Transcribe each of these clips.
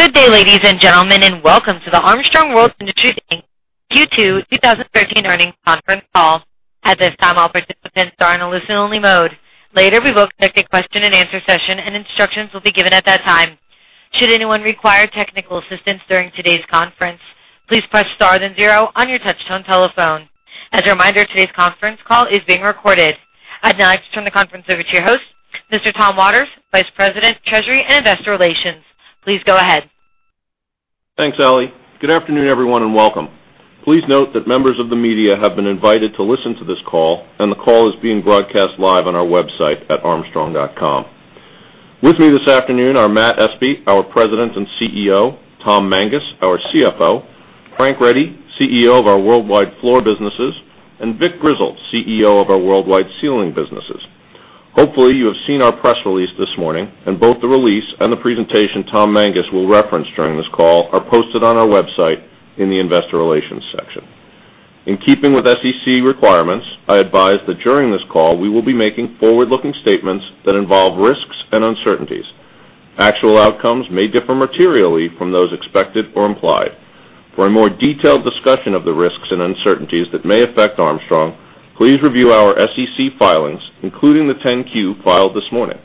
Good day, ladies and gentlemen, and welcome to the Armstrong World Industries, Inc. Q2 2013 earnings conference call. At this time, all participants are in a listen-only mode. Later, we will conduct a question-and-answer session, and instructions will be given at that time. Should anyone require technical assistance during today's conference, please press star then zero on your touch-tone telephone. As a reminder, today's conference call is being recorded. I'd now like to turn the conference over to your host, Mr. Tom Waters, Vice President, Treasury and Investor Relations. Please go ahead. Thanks, Ellie. Good afternoon, everyone, and welcome. Please note that members of the media have been invited to listen to this call, and the call is being broadcast live on our website at armstrong.com. With me this afternoon are Matt Espe, our President and Chief Executive Officer, Tom Mangas, our Chief Financial Officer, Frank Ready, Chief Executive Officer of our worldwide floor businesses, and Vic Grizzle, Chief Executive Officer of our worldwide ceiling businesses. Hopefully, you have seen our press release this morning, and both the release and the presentation Tom Mangas will reference during this call are posted on our website in the investor relations section. In keeping with SEC requirements, I advise that during this call, we will be making forward-looking statements that involve risks and uncertainties. Actual outcomes may differ materially from those expected or implied. For a more detailed discussion of the risks and uncertainties that may affect Armstrong, please review our SEC filings, including the Form 10-Q filed this morning.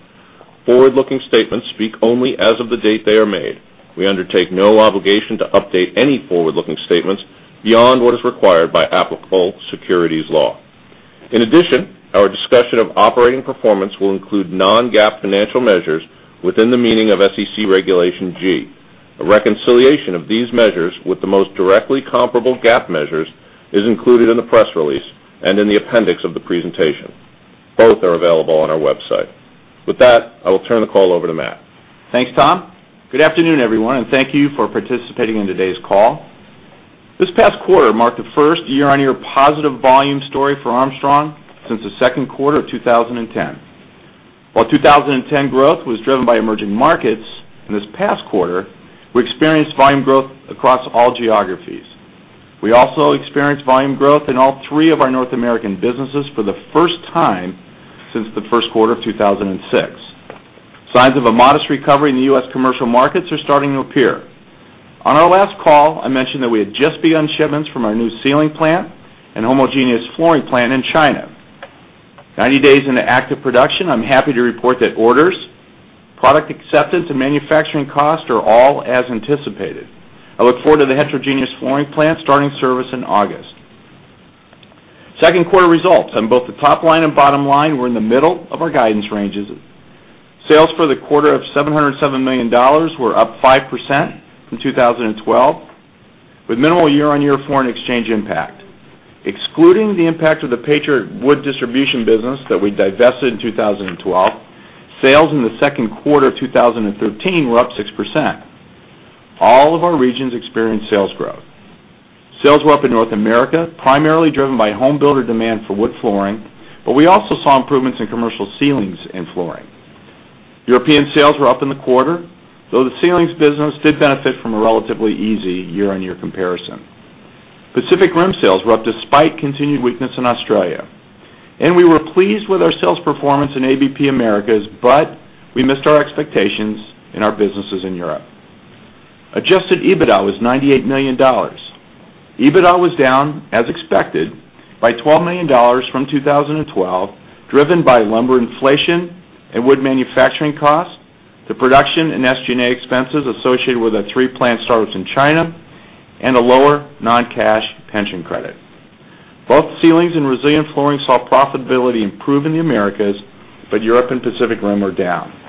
Forward-looking statements speak only as of the date they are made. We undertake no obligation to update any forward-looking statements beyond what is required by applicable securities law. In addition, our discussion of operating performance will include non-GAAP financial measures within the meaning of SEC Regulation G. A reconciliation of these measures with the most directly comparable GAAP measures is included in the press release and in the appendix of the presentation. Both are available on our website. With that, I will turn the call over to Matt. Thanks, Tom. Good afternoon, everyone, and thank you for participating in today's call. This past quarter marked the first year-over-year positive volume story for Armstrong since the second quarter of 2010. While 2010 growth was driven by emerging markets, in this past quarter, we experienced volume growth across all geographies. We also experienced volume growth in all three of our North American businesses for the first time since the first quarter of 2006. Signs of a modest recovery in the U.S. commercial markets are starting to appear. On our last call, I mentioned that we had just begun shipments from our new ceiling plant and homogeneous flooring plant in China. 90 days into active production, I'm happy to report that orders, product acceptance, and manufacturing cost are all as anticipated. I look forward to the heterogeneous flooring plant starting service in August. Second quarter results on both the top line and bottom line were in the middle of our guidance ranges. Sales for the quarter of $707 million were up 5% from 2012, with minimal year-on-year foreign exchange impact. Excluding the impact of the Patriot Flooring Supply that we divested in 2012, sales in the second quarter of 2013 were up 6%. All of our regions experienced sales growth. Sales were up in North America, primarily driven by home builder demand for wood flooring, but we also saw improvements in commercial ceilings and flooring. European sales were up in the quarter, though the ceilings business did benefit from a relatively easy year-on-year comparison. Pacific Rim sales were up despite continued weakness in Australia. We were pleased with our sales performance in ABP Americas, but we missed our expectations in our businesses in Europe. Adjusted EBITDA was $98 million. EBITDA was down, as expected, by $12 million from 2012, driven by lumber inflation and wood manufacturing costs, the production and SG&A expenses associated with our three plant startups in China, and a lower non-cash pension credit. Both ceilings and resilient flooring saw profitability improve in the Americas, but Europe and Pacific Rim were down.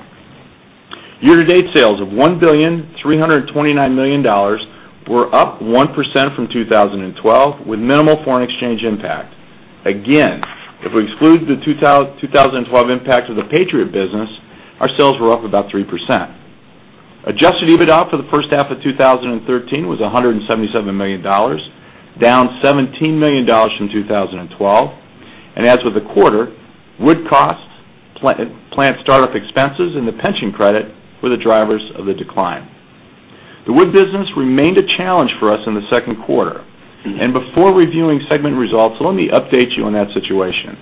Year-to-date sales of $1.329 billion were up 1% from 2012, with minimal foreign exchange impact. Again, if we exclude the 2012 impact of the Patriot business, our sales were up about 3%. Adjusted EBITDA for the first half of 2013 was $177 million, down $17 million from 2012. As with the quarter, wood cost, plant startup expenses, and the pension credit were the drivers of the decline. The wood business remained a challenge for us in the second quarter. Before reviewing segment results, let me update you on that situation.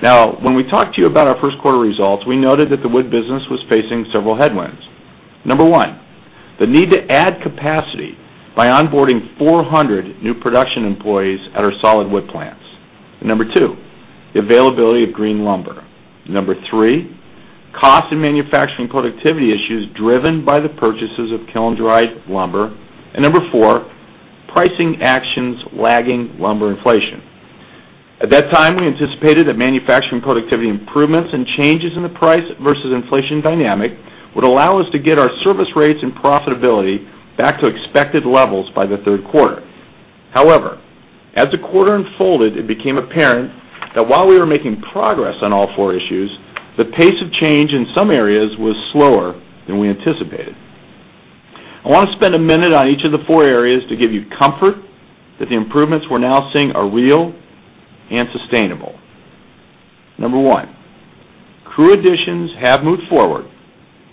When we talked to you about our first quarter results, we noted that the wood business was facing several headwinds. Number one, the need to add capacity by onboarding 400 new production employees at our solid wood plants. Number two, the availability of green lumber. Number three, cost and manufacturing productivity issues driven by the purchases of kiln-dried lumber. Number four, pricing actions lagging lumber inflation. At that time, we anticipated that manufacturing productivity improvements and changes in the price versus inflation dynamic would allow us to get our service rates and profitability back to expected levels by the third quarter. However, as the quarter unfolded, it became apparent that while we were making progress on all four issues, the pace of change in some areas was slower than we anticipated. I want to spend a minute on each of the four areas to give you comfort that the improvements we're now seeing are real and sustainable. Number one, crew additions have moved forward,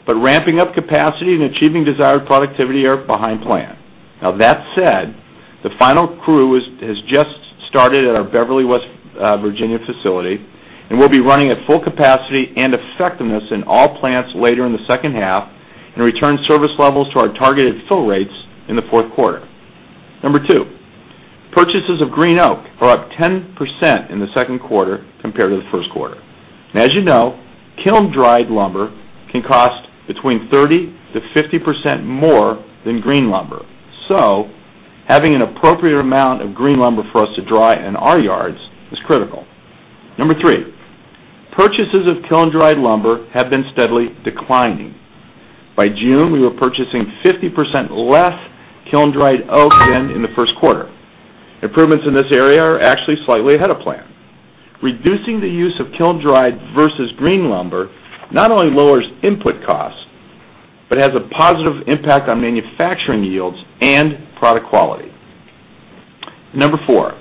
but ramping up capacity and achieving desired productivity are behind plan. The final crew has just started at our Beverly, West Virginia facility, and we'll be running at full capacity and effectiveness in all plants later in the second half and return service levels to our targeted fill rates in the fourth quarter. Number two, purchases of green oak are up 10% in the second quarter compared to the first quarter. As you know, kiln-dried lumber can cost between 30% to 50% more than green lumber. Having an appropriate amount of green lumber for us to dry in our yards is critical. Number three, purchases of kiln-dried lumber have been steadily declining. By June, we were purchasing 50% less kiln-dried oak than in the first quarter. Improvements in this area are actually slightly ahead of plan. Reducing the use of kiln-dried versus green lumber not only lowers input costs, but has a positive impact on manufacturing yields and product quality. Number four,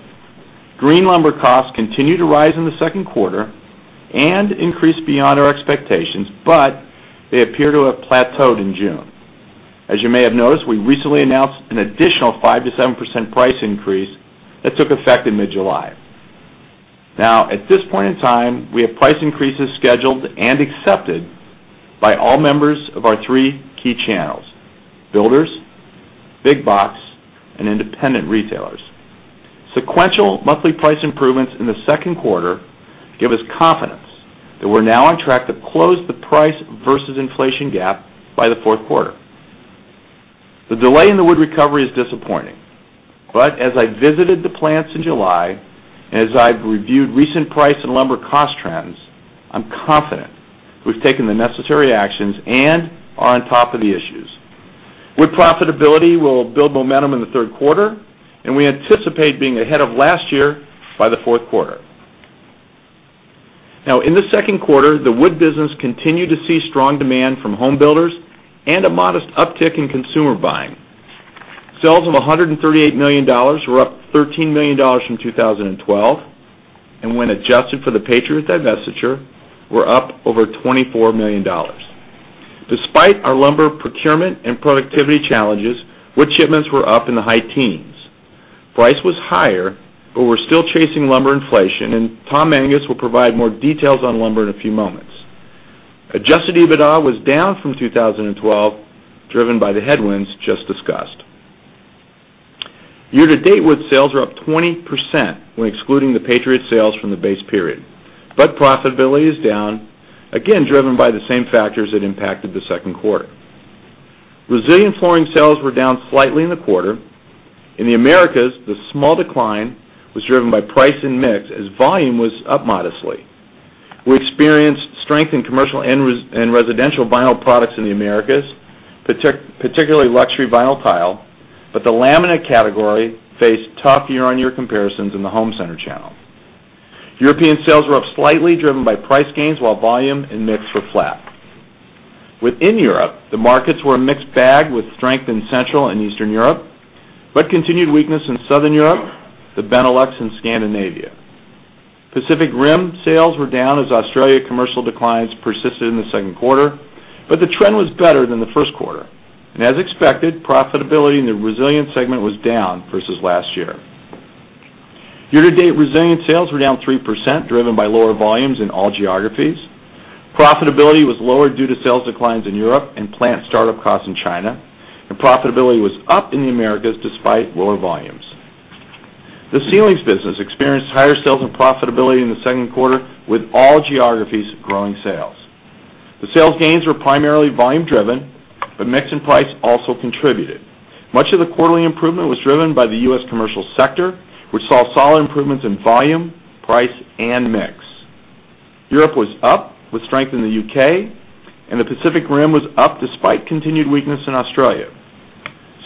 green lumber costs continued to rise in the second quarter and increased beyond our expectations, but they appear to have plateaued in June. As you may have noticed, we recently announced an additional 5%-7% price increase that took effect in mid-July. At this point in time, we have price increases scheduled and accepted by all members of our three key channels: builders, big box, and independent retailers. Sequential monthly price improvements in the second quarter give us confidence that we're now on track to close the price versus inflation gap by the fourth quarter. The delay in the wood recovery is disappointing. As I visited the plants in July, as I've reviewed recent price and lumber cost trends, I'm confident we've taken the necessary actions and are on top of the issues. Wood profitability will build momentum in the third quarter, and we anticipate being ahead of last year by the fourth quarter. In the second quarter, the wood business continued to see strong demand from home builders and a modest uptick in consumer buying. Sales of $138 million were up $13 million from 2012, and when adjusted for the Patriot divestiture, were up over $24 million. Despite our lumber procurement and productivity challenges, wood shipments were up in the high teens. Price was higher, but we're still chasing lumber inflation, and Tom Mangas will provide more details on lumber in a few moments. Adjusted EBITDA was down from 2012, driven by the headwinds just discussed. Year-to-date wood sales are up 20% when excluding the Patriot sales from the base period. Profitability is down, again, driven by the same factors that impacted the second quarter. Resilient flooring sales were down slightly in the quarter. In the Americas, the small decline was driven by price and mix as volume was up modestly. We experienced strength in commercial and residential vinyl products in the Americas, particularly luxury vinyl tile, but the laminate category faced tough year-on-year comparisons in the home center channel. European sales were up slightly, driven by price gains while volume and mix were flat. Within Europe, the markets were a mixed bag with strength in Central and Eastern Europe, but continued weakness in Southern Europe, the Benelux and Scandinavia. Pacific Rim sales were down as Australia commercial declines persisted in the second quarter, but the trend was better than the first quarter. As expected, profitability in the Resilient segment was down versus last year. Year-to-date Resilient sales were down 3%, driven by lower volumes in all geographies. Profitability was lower due to sales declines in Europe and plant startup costs in China. Profitability was up in the Americas despite lower volumes. The Ceilings business experienced higher sales and profitability in the second quarter, with all geographies growing sales. The sales gains were primarily volume driven, but mix and price also contributed. Much of the quarterly improvement was driven by the U.S. commercial sector, which saw solid improvements in volume, price, and mix. Europe was up with strength in the U.K., and the Pacific Rim was up despite continued weakness in Australia.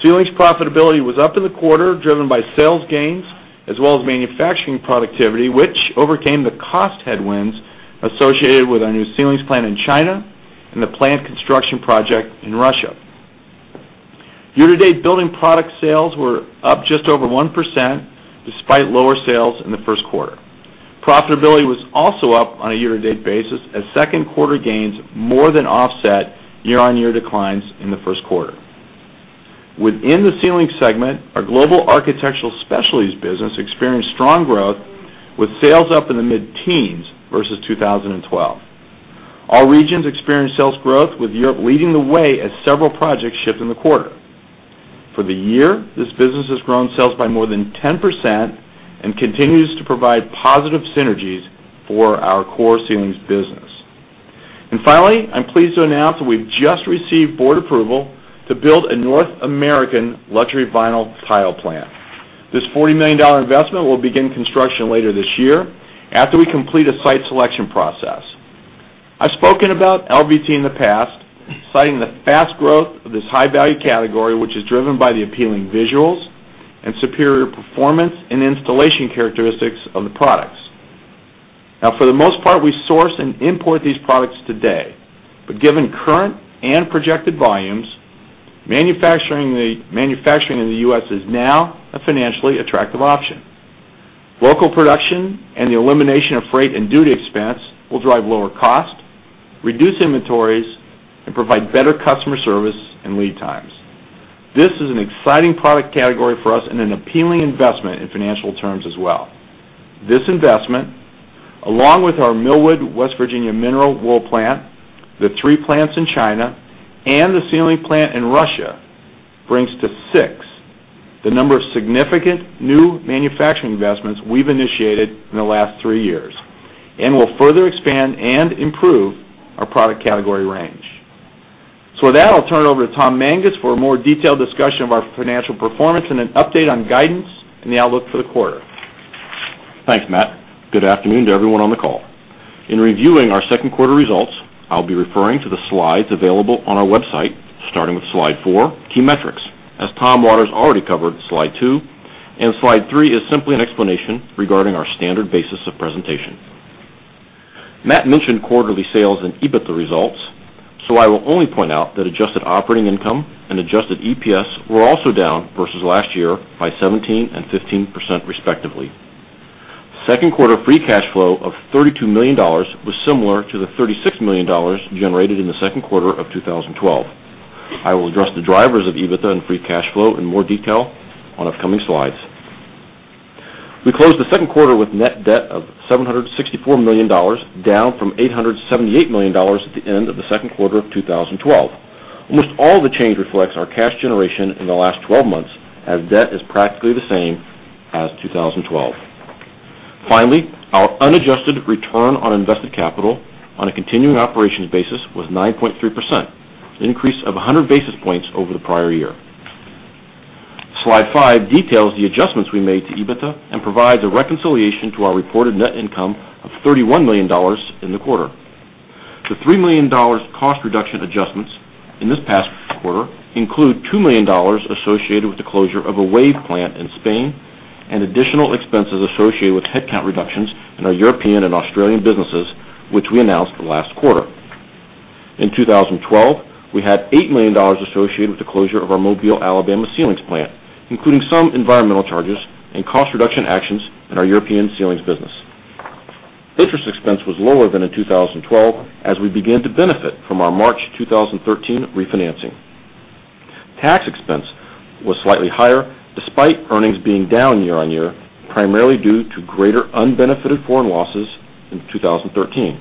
Ceilings profitability was up in the quarter, driven by sales gains as well as manufacturing productivity, which overcame the cost headwinds associated with our new Ceilings plant in China and the plant construction project in Russia. Year-to-date building product sales were up just over 1% despite lower sales in the first quarter. Profitability was also up on a year-to-date basis as second quarter gains more than offset year-on-year declines in the first quarter. Within the Ceilings segment, our global Architectural Specialties business experienced strong growth, with sales up in the mid-teens versus 2012. All regions experienced sales growth, with Europe leading the way as several projects shipped in the quarter. For the year, this business has grown sales by more than 10% and continues to provide positive synergies for our core Ceilings business. Finally, I'm pleased to announce that we've just received board approval to build a North American luxury vinyl tile plant. This $40 million investment will begin construction later this year after we complete a site selection process. I've spoken about LVT in the past, citing the fast growth of this high-value category, which is driven by the appealing visuals and superior performance and installation characteristics of the products. For the most part, we source and import these products today. Given current and projected volumes, manufacturing in the U.S. is now a financially attractive option. Local production and the elimination of freight and duty expense will drive lower cost, reduce inventories, and provide better customer service and lead times. This is an exciting product category for us and an appealing investment in financial terms as well. This investment, along with our Millwood, West Virginia mineral wool plant, the three plants in China, and the Ceilings plant in Russia, brings to six the number of significant new manufacturing investments we've initiated in the last three years and will further expand and improve our product category range. With that, I'll turn it over to Tom Mangas for a more detailed discussion of our financial performance and an update on guidance and the outlook for the quarter. Thanks, Matt. Good afternoon to everyone on the call. In reviewing our second quarter results, I'll be referring to the slides available on our website, starting with Slide Four: Key Metrics, as Tom Waters already covered Slide Two, and Slide Three is simply an explanation regarding our standard basis of presentation. Matt mentioned quarterly sales and EBITDA results, I will only point out that adjusted operating income and adjusted EPS were also down versus last year by 17% and 15% respectively. Second quarter free cash flow of $32 million was similar to the $36 million generated in the second quarter of 2012. I will address the drivers of EBITDA and free cash flow in more detail on upcoming slides. We closed the second quarter with net debt of $764 million, down from $878 million at the end of the second quarter of 2012. Almost all the change reflects our cash generation in the last 12 months, as debt is practically the same as 2012. Finally, our unadjusted return on invested capital on a continuing operations basis was 9.3%, an increase of 100 basis points over the prior year. Slide Five details the adjustments we made to EBITDA and provides a reconciliation to our reported net income of $31 million in the quarter. The $3 million cost reduction adjustments in this past quarter include $2 million associated with the closure of a WAVE plant in Spain and additional expenses associated with headcount reductions in our European and Australian businesses, which we announced last quarter. In 2012, we had $8 million associated with the closure of our Mobile, Alabama ceilings plant, including some environmental charges and cost reduction actions in our European ceilings business. Interest expense was lower than in 2012 as we began to benefit from our March 2013 refinancing. Tax expense was slightly higher despite earnings being down year-on-year, primarily due to greater unbenefited foreign losses in 2013.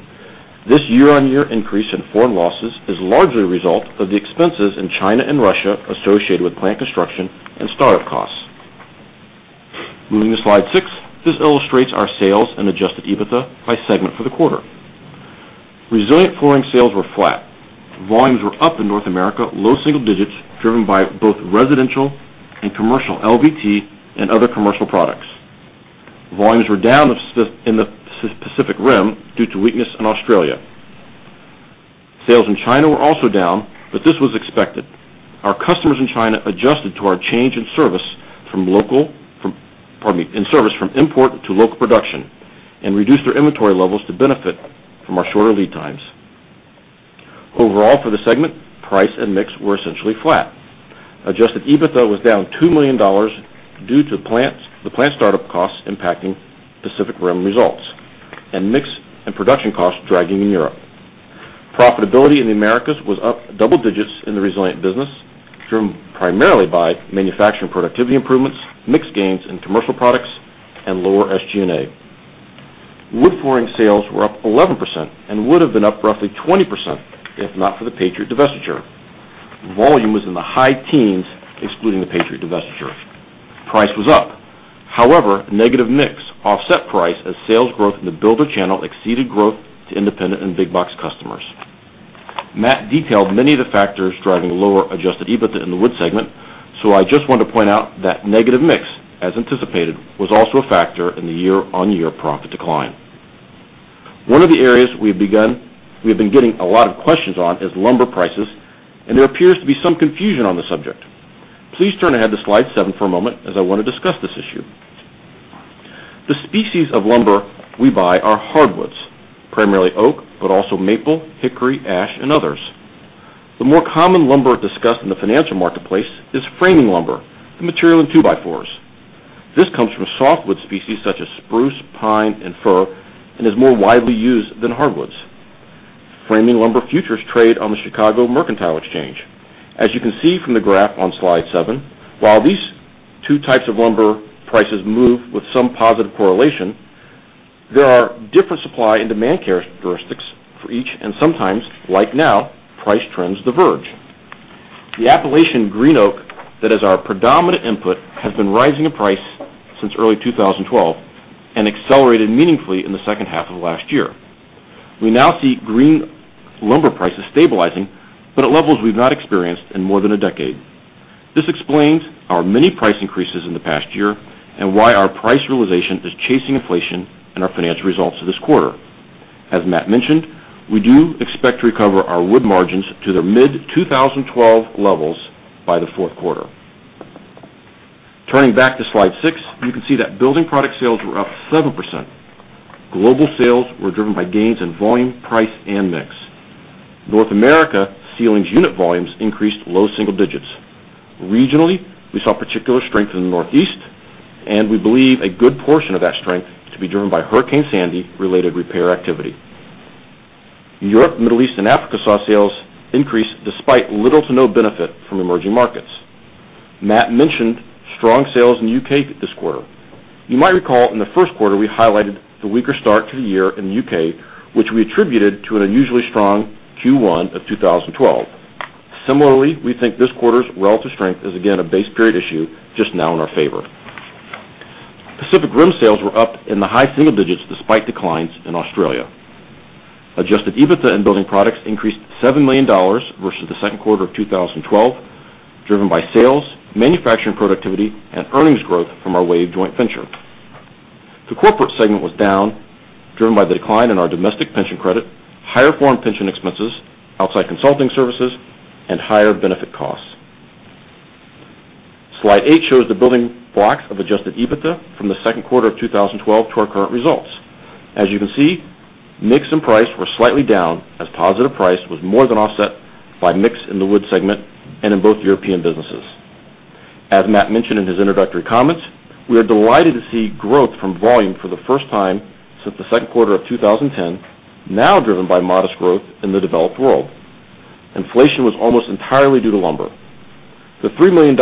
This year-on-year increase in foreign losses is largely a result of the expenses in China and Russia associated with plant construction and start-up costs. Moving to Slide Six, this illustrates our sales and adjusted EBITDA by segment for the quarter. Resilient flooring sales were flat. Volumes were up in North America, low single digits driven by both residential and commercial LVT and other commercial products. Volumes were down in the Pacific Rim due to weakness in Australia. Sales in China were also down, but this was expected. Our customers in China adjusted to our change in service from import to local production and reduced their inventory levels to benefit from our shorter lead times. Overall, for the segment, price and mix were essentially flat. Adjusted EBITDA was down $2 million due to the plant start-up costs impacting Pacific Rim results, and mix and production costs dragging in Europe. Profitability in the Americas was up double digits in the resilient business, driven primarily by manufacturing productivity improvements, mix gains in commercial products, and lower SG&A. Wood flooring sales were up 11% and would have been up roughly 20% if not for the Patriot divestiture. Volume was in the high teens, excluding the Patriot divestiture. Price was up. However, negative mix offset price as sales growth in the builder channel exceeded growth to independent and big box customers. Matt detailed many of the factors driving lower adjusted EBITDA in the wood segment. I just want to point out that negative mix, as anticipated, was also a factor in the year-on-year profit decline. One of the areas we've been getting a lot of questions on is lumber prices, and there appears to be some confusion on the subject. Please turn ahead to Slide Seven for a moment, as I want to discuss this issue. The species of lumber we buy are hardwoods, primarily oak, but also maple, hickory, ash, and others. The more common lumber discussed in the financial marketplace is framing lumber, the material in two-by-fours. This comes from softwood species such as spruce, pine, and fir and is more widely used than hardwoods. Framing lumber futures trade on the Chicago Mercantile Exchange. As you can see from the graph on Slide Seven, while these two types of lumber prices move with some positive correlation, there are different supply and demand characteristics for each, and sometimes, like now, price trends diverge. The Appalachian green oak that is our predominant input has been rising in price since early 2012 and accelerated meaningfully in the second half of last year. We now see green lumber prices stabilizing, but at levels we've not experienced in more than a decade. This explains our many price increases in the past year and why our price realization is chasing inflation in our financial results this quarter. As Matt mentioned, we do expect to recover our wood margins to their mid-2012 levels by the fourth quarter. Turning back to Slide Six, you can see that building product sales were up 7%. Global sales were driven by gains in volume, price, and mix. North America ceilings unit volumes increased low single digits. Regionally, we saw particular strength in the Northeast, and we believe a good portion of that strength to be driven by Hurricane Sandy-related repair activity. Europe, Middle East, and Africa saw sales increase despite little to no benefit from emerging markets. Matt mentioned strong sales in the U.K. this quarter. You might recall in the first quarter, we highlighted the weaker start to the year in the U.K., which we attributed to an unusually strong Q1 of 2012. Similarly, we think this quarter's relative strength is again a base period issue, just now in our favor. Pacific Rim sales were up in the high single digits despite declines in Australia. Adjusted EBITDA and building products increased $7 million versus the second quarter of 2012, driven by sales, manufacturing productivity, and earnings growth from our WAVE joint venture. The corporate segment was down, driven by the decline in our domestic pension credit, higher foreign pension expenses, outside consulting services, and higher benefit costs. Slide eight shows the building blocks of Adjusted EBITDA from the second quarter of 2012 to our current results. As you can see, mix and price were slightly down, as positive price was more than offset by mix in the wood segment and in both European businesses. As Matt mentioned in his introductory comments, we are delighted to see growth from volume for the first time since the second quarter of 2010. Now driven by modest growth in the developed world. Inflation was almost entirely due to lumber. The $3 million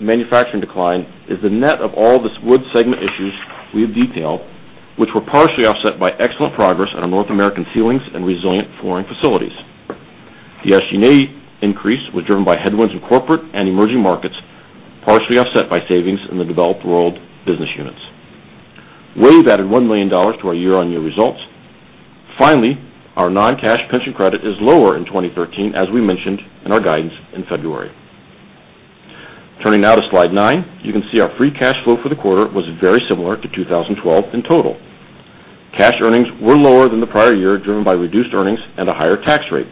manufacturing decline is the net of all the wood segment issues we have detailed, which were partially offset by excellent progress on our North American ceilings and resilient flooring facilities. The SG&A increase was driven by headwinds in corporate and emerging markets, partially offset by savings in the developed world business units. WAVE added $1 million to our year-on-year results. Finally, our non-cash pension credit is lower in 2013, as we mentioned in our guidance in February. Turning now to slide nine. You can see our free cash flow for the quarter was very similar to 2012 in total. Cash earnings were lower than the prior year, driven by reduced earnings and a higher tax rate.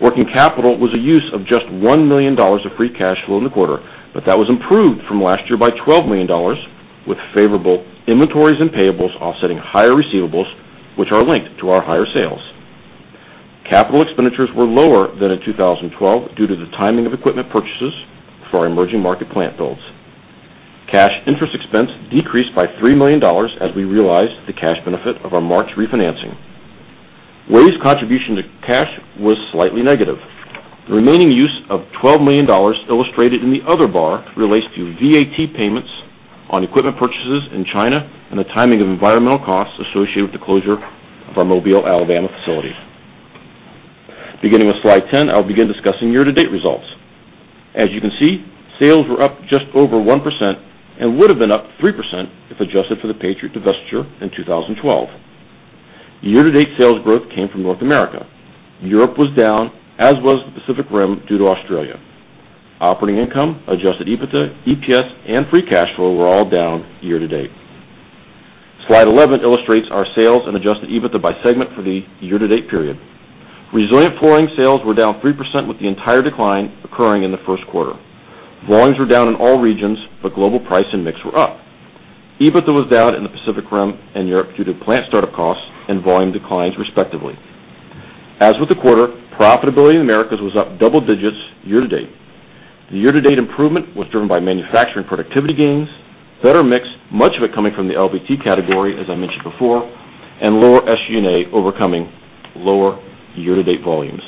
Working capital was a use of just $1 million of free cash flow in the quarter, but that was improved from last year by $12 million with favorable inventories and payables offsetting higher receivables, which are linked to our higher sales. Capital expenditures were lower than in 2012 due to the timing of equipment purchases for our emerging market plant builds. Cash interest expense decreased by $3 million as we realized the cash benefit of our March refinancing. WAVE's contribution to cash was slightly negative. The remaining use of $12 million illustrated in the other bar relates to VAT payments on equipment purchases in China and the timing of environmental costs associated with the closure of our Mobile, Alabama facility. Beginning with slide 10, I'll begin discussing year-to-date results. As you can see, sales were up just over 1% and would have been up 3% if adjusted for the Patriot divestiture in 2012. Year-to-date sales growth came from North America. Europe was down, as was the Pacific Rim, due to Australia. Operating income, adjusted EBITDA, EPS, and free cash flow were all down year to date. Slide 11 illustrates our sales and adjusted EBITDA by segment for the year-to-date period. Resilient flooring sales were down 3%, with the entire decline occurring in the first quarter. Volumes were down in all regions, but global price and mix were up. EBITDA was down in the Pacific Rim and Europe due to plant startup costs and volume declines, respectively. As with the quarter, profitability in the Americas was up double digits year to date. The year-to-date improvement was driven by manufacturing productivity gains, better mix, much of it coming from the LVT category, as I mentioned before, and lower SG&A overcoming lower year-to-date volumes.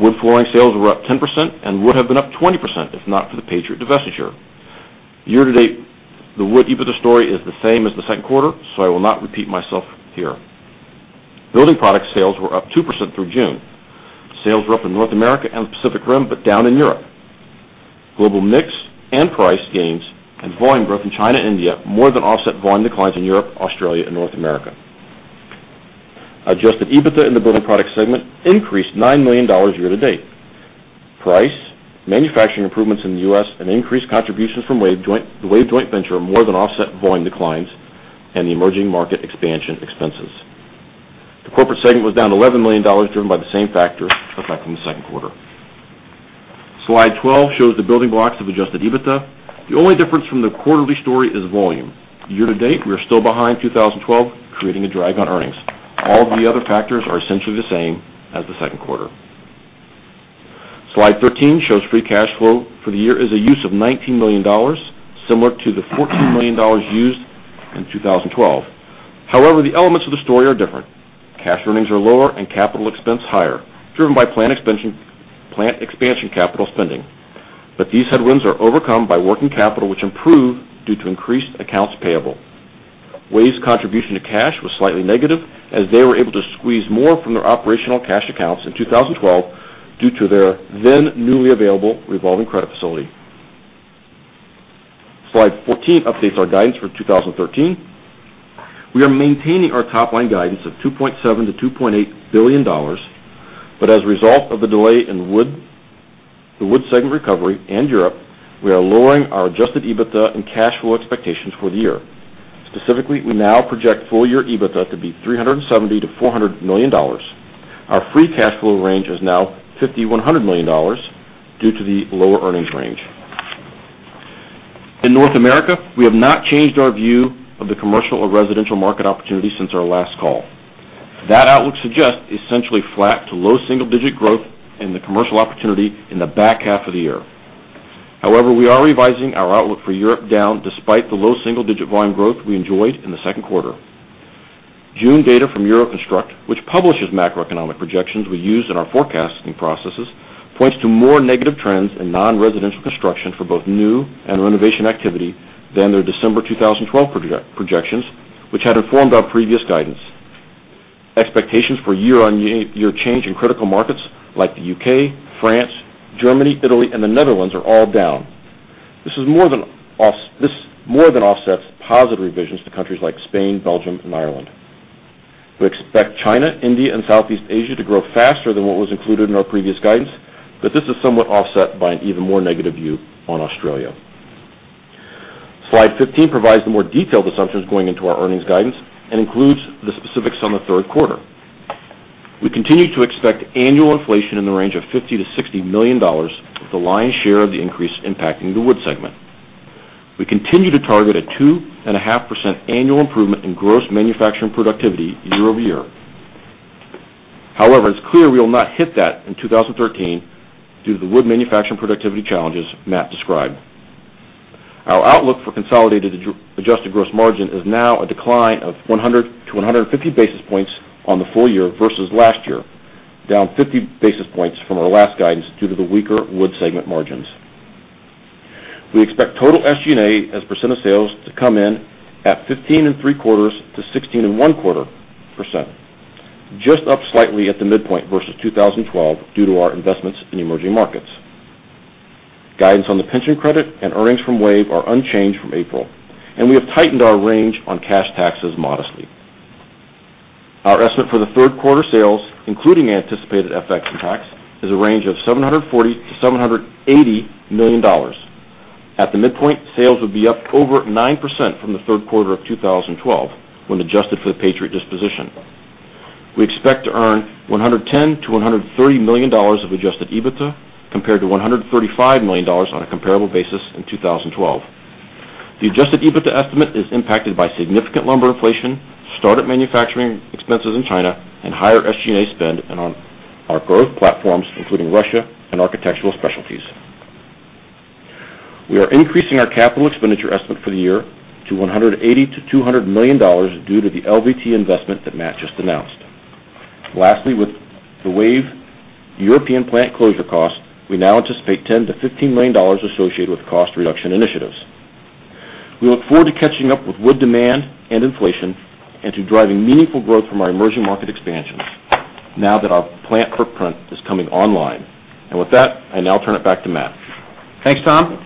Wood flooring sales were up 10% and would have been up 20% if not for the Patriot divestiture. Year to date, the wood EBITDA story is the same as the second quarter, so I will not repeat myself here. Building product sales were up 2% through June. Sales were up in North America and the Pacific Rim, but down in Europe. Global mix and price gains and volume growth in China and India more than offset volume declines in Europe, Australia, and North America. Adjusted EBITDA in the building product segment increased $9 million year to date. Price, manufacturing improvements in the U.S., and increased contributions from the WAVE joint venture more than offset volume declines and the emerging market expansion expenses. The corporate segment was down $11 million, driven by the same factor affecting the second quarter. Slide 12 shows the building blocks of adjusted EBITDA. The only difference from the quarterly story is volume. Year to date, we are still behind 2012, creating a drag on earnings. All the other factors are essentially the same as the second quarter. Slide 13 shows free cash flow for the year is a use of $19 million, similar to the $14 million used in 2012. However, the elements of the story are different. Cash earnings are lower and capital expense higher, driven by plant expansion capital spending. These headwinds are overcome by working capital, which improved due to increased accounts payable. WAVE's contribution to cash was slightly negative, as they were able to squeeze more from their operational cash accounts in 2012 due to their then newly available revolving credit facility. Slide 14 updates our guidance for 2013. We are maintaining our top-line guidance of $2.7 billion-$2.8 billion, as a result of the delay in the wood segment recovery and Europe, we are lowering our adjusted EBITDA and cash flow expectations for the year. Specifically, we now project full-year EBITDA to be $370 million-$400 million. Our free cash flow range is now $50 million-$100 million due to the lower earnings range. In North America, we have not changed our view of the commercial or residential market opportunity since our last call. That outlook suggests essentially flat to low single-digit growth in the commercial opportunity in the back half of the year. We are revising our outlook for Europe down, despite the low single-digit volume growth we enjoyed in the second quarter. June data from Euroconstruct, which publishes macroeconomic projections we use in our forecasting processes, points to more negative trends in non-residential construction for both new and renovation activity than their December 2012 projections, which had informed our previous guidance. Expectations for year-on-year change in critical markets like the U.K., France, Germany, Italy, and the Netherlands are all down. This more than offsets positive revisions to countries like Spain, Belgium, and Ireland. We expect China, India, and Southeast Asia to grow faster than what was included in our previous guidance, this is somewhat offset by an even more negative view on Australia. Slide 15 provides the more detailed assumptions going into our earnings guidance and includes the specifics on the third quarter. We continue to expect annual inflation in the range of $50 million-$60 million, with the lion's share of the increase impacting the wood segment. We continue to target a 2.5% annual improvement in gross manufacturing productivity year-over-year. It's clear we will not hit that in 2013 due to the wood manufacturing productivity challenges Matt described. Our outlook for consolidated adjusted gross margin is now a decline of 100-150 basis points on the full year versus last year, down 50 basis points from our last guidance due to the weaker wood segment margins. We expect total SG&A as a percent of sales to come in at 15.75%-16.25%, just up slightly at the midpoint versus 2012 due to our investments in emerging markets. Guidance on the pension credit and earnings from WAVE are unchanged from April, we have tightened our range on cash taxes modestly. Our estimate for the third quarter sales, including anticipated FX impacts, is a range of $740 million-$780 million. At the midpoint, sales would be up over 9% from the third quarter of 2012 when adjusted for the Patriot disposition. We expect to earn $110 million-$130 million of adjusted EBITDA, compared to $135 million on a comparable basis in 2012. The adjusted EBITDA estimate is impacted by significant lumber inflation, start-up manufacturing expenses in China, and higher SG&A spend on our growth platforms, including Russia and Architectural Specialties. We are increasing our capital expenditure estimate for the year to $180 million-$200 million due to the LVT investment that Matt just announced. Lastly, with the WAVE European plant closure cost, we now anticipate $10 million-$15 million associated with cost reduction initiatives. We look forward to catching up with wood demand and inflation and to driving meaningful growth from our emerging market expansions now that our plant footprint is coming online. With that, I now turn it back to Matt. Thanks, Tom.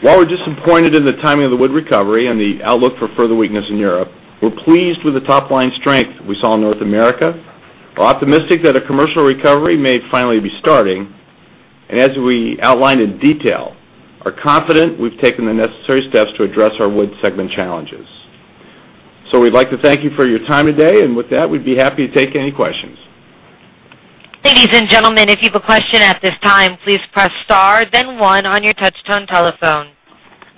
While we're disappointed in the timing of the wood recovery and the outlook for further weakness in Europe, we're pleased with the top-line strength we saw in North America. We're optimistic that a commercial recovery may finally be starting, and as we outlined in detail, are confident we've taken the necessary steps to address our wood segment challenges. We'd like to thank you for your time today, and with that, we'd be happy to take any questions. Ladies and gentlemen, if you have a question at this time, please press star then one on your touch-tone telephone.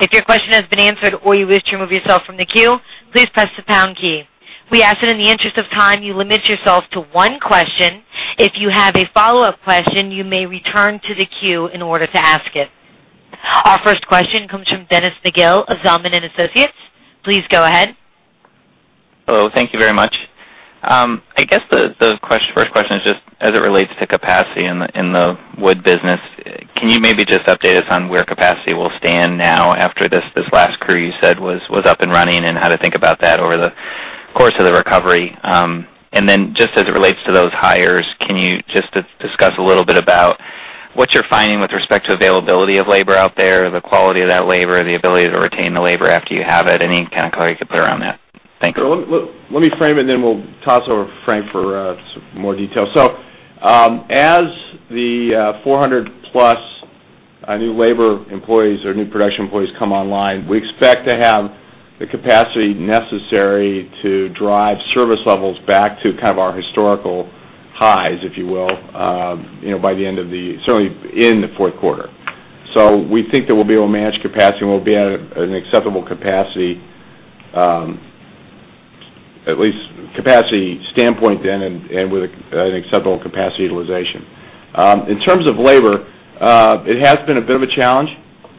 If your question has been answered or you wish to remove yourself from the queue, please press the pound key. We ask that in the interest of time, you limit yourself to one question. If you have a follow-up question, you may return to the queue in order to ask it. Our first question comes from Dennis McGill of Zelman & Associates. Please go ahead. Hello. Thank you very much. I guess the first question is just as it relates to capacity in the wood business. Can you maybe just update us on where capacity will stand now after this last crew you said was up and running, and how to think about that over the course of the recovery? Then just as it relates to those hires, can you just discuss a little bit about what you're finding with respect to availability of labor out there, the quality of that labor, the ability to retain the labor after you have it, any kind of color you could put around that? Thank you. Let me frame it, and then we'll toss over to Frank for some more detail. As the 400-plus new labor employees or new production employees come online, we expect to have the capacity necessary to drive service levels back to our historical highs, if you will, by the end of the, certainly, in the fourth quarter. We think that we'll be able to manage capacity, and we'll be at an acceptable capacity, at least capacity standpoint then, and with an acceptable capacity utilization. In terms of labor, it has been a bit of a challenge.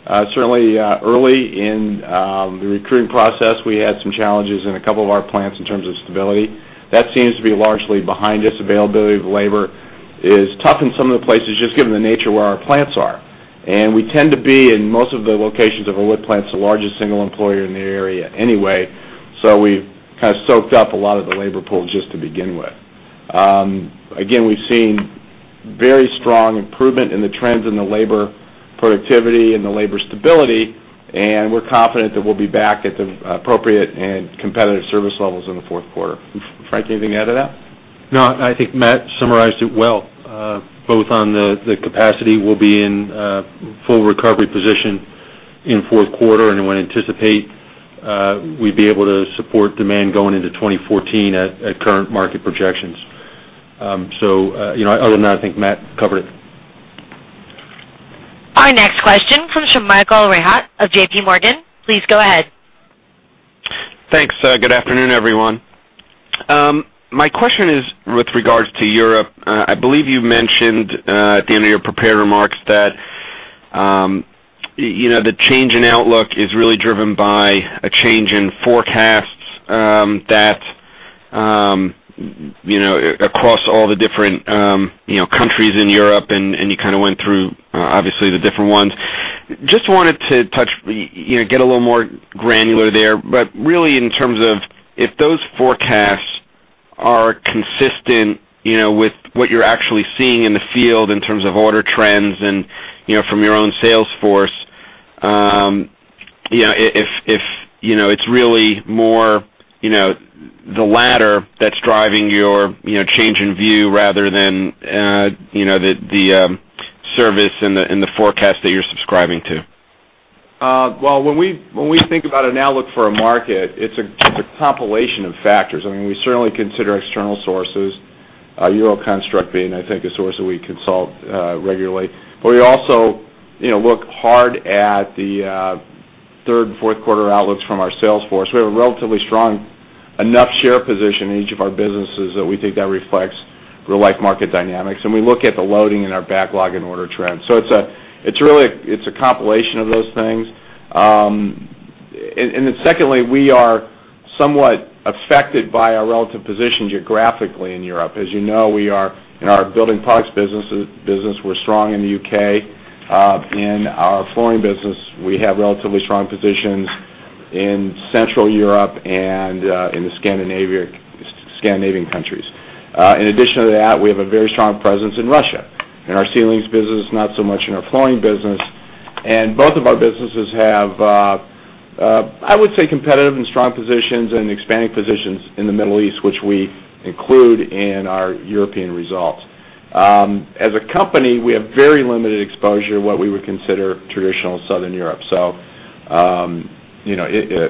Certainly early in the recruiting process, we had some challenges in a couple of our plants in terms of stability. That seems to be largely behind us. Availability of labor is tough in some of the places, just given the nature of where our plants are. We tend to be, in most of the locations of our wood plants, the largest single employer in the area anyway, so we've kind of soaked up a lot of the labor pool just to begin with. Again, we've seen very strong improvement in the trends in the labor productivity and the labor stability, and we're confident that we'll be back at the appropriate and competitive service levels in the fourth quarter. Frank, anything to add to that? No, I think Matt summarized it well, both on the capacity we'll be in full recovery position in the fourth quarter. We anticipate we'd be able to support demand going into 2014 at current market projections. Other than that, I think Matt covered it. Our next question comes from Michael Rehaut of J.P. Morgan. Please go ahead. Thanks. Good afternoon, everyone. My question is with regards to Europe. I believe you mentioned, at the end of your prepared remarks that the change in outlook is really driven by a change in forecasts that across all the different countries in Europe, and you went through, obviously, the different ones. Just wanted to get a little more granular there, but really in terms of if those forecasts are consistent with what you're actually seeing in the field in terms of order trends and from your own sales force, if it's really more the latter that's driving your change in view rather than the service and the forecast that you're subscribing to. When we think about an outlook for a market, it's a compilation of factors. We certainly consider external sources, Euroconstruct being, I think, a source that we consult regularly. We also look hard at the third and fourth quarter outlooks from our sales force. We have a relatively strong enough share position in each of our businesses that we think that reflects real-life market dynamics, and we look at the loading in our backlog and order trends. It's a compilation of those things. Secondly, we are somewhat affected by our relative position geographically in Europe. As you know, in our building products business, we're strong in the U.K. In our flooring business, we have relatively strong positions in Central Europe and in the Scandinavian countries. In addition to that, we have a very strong presence in Russia, in our ceilings business, not so much in our flooring business. Both of our businesses have, I would say, competitive and strong positions and expanding positions in the Middle East, which we include in our European results. As a company, we have very limited exposure to what we would consider traditional Southern Europe,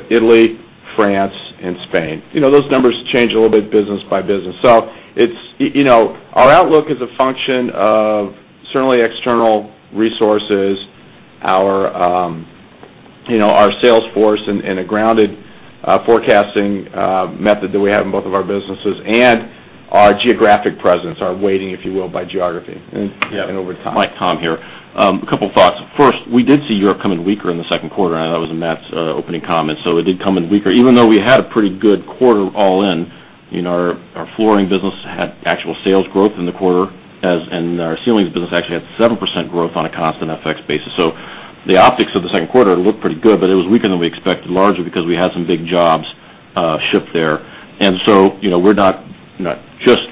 Italy, France, and Spain. Those numbers change a little bit business by business. Our outlook is a function of certainly external resources, our sales force, and a grounded forecasting method that we have in both of our businesses and our geographic presence, our weighting, if you will, by geography and over time. Mike, Tom here. A couple of thoughts. First, we did see Europe come in weaker in the second quarter, and that was in Matt's opening comments. It did come in weaker, even though we had a pretty good quarter all in. Our flooring business had actual sales growth in the quarter, and our ceilings business actually had 7% growth on a constant FX basis. The optics of the second quarter looked pretty good, but it was weaker than we expected, largely because we had some big jobs shift there. We're not just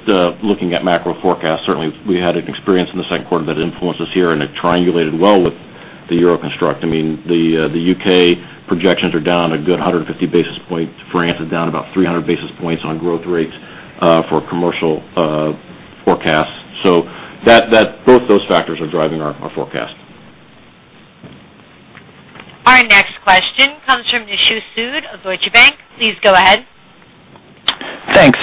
looking at macro forecasts. Certainly, we had an experience in the second quarter that influenced us here, and it triangulated well with the Euroconstruct. The U.K. projections are down a good 150 basis points. France is down about 300 basis points on growth rates for commercial forecasts. Both those factors are driving our forecast. Our next question comes from Nishu Sood of Deutsche Bank. Please go ahead. Thanks.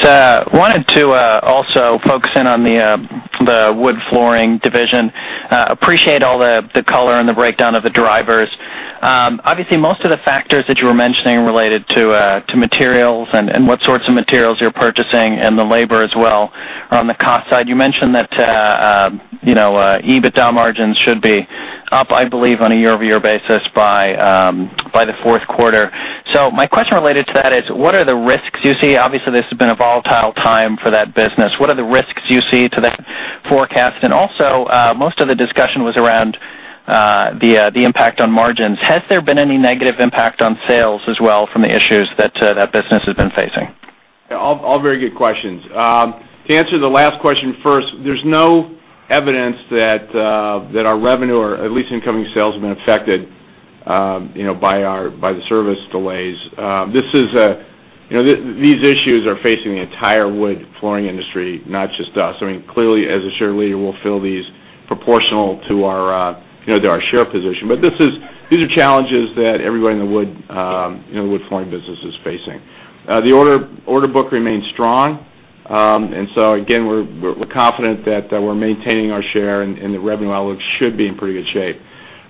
Wanted to also focus in on the wood flooring division. Appreciate all the color and the breakdown of the drivers. Obviously, most of the factors that you were mentioning related to materials and what sorts of materials you're purchasing and the labor as well. On the cost side, you mentioned that EBITDA margins should be up, I believe, on a year-over-year basis by the fourth quarter. My question related to that is, what are the risks you see? Obviously, this has been a volatile time for that business. What are the risks you see to that forecast? Also, most of the discussion was around the impact on margins. Has there been any negative impact on sales as well from the issues that that business has been facing? All very good questions. To answer the last question first, there's no evidence that our revenue or at least incoming sales have been affected by the service delays. These issues are facing the entire wood flooring industry, not just us. Clearly, as a share leader, we'll feel these proportional to our share position. These are challenges that everybody in the wood flooring business is facing. The order book remains strong. Again, we're confident that we're maintaining our share and the revenue outlook should be in pretty good shape.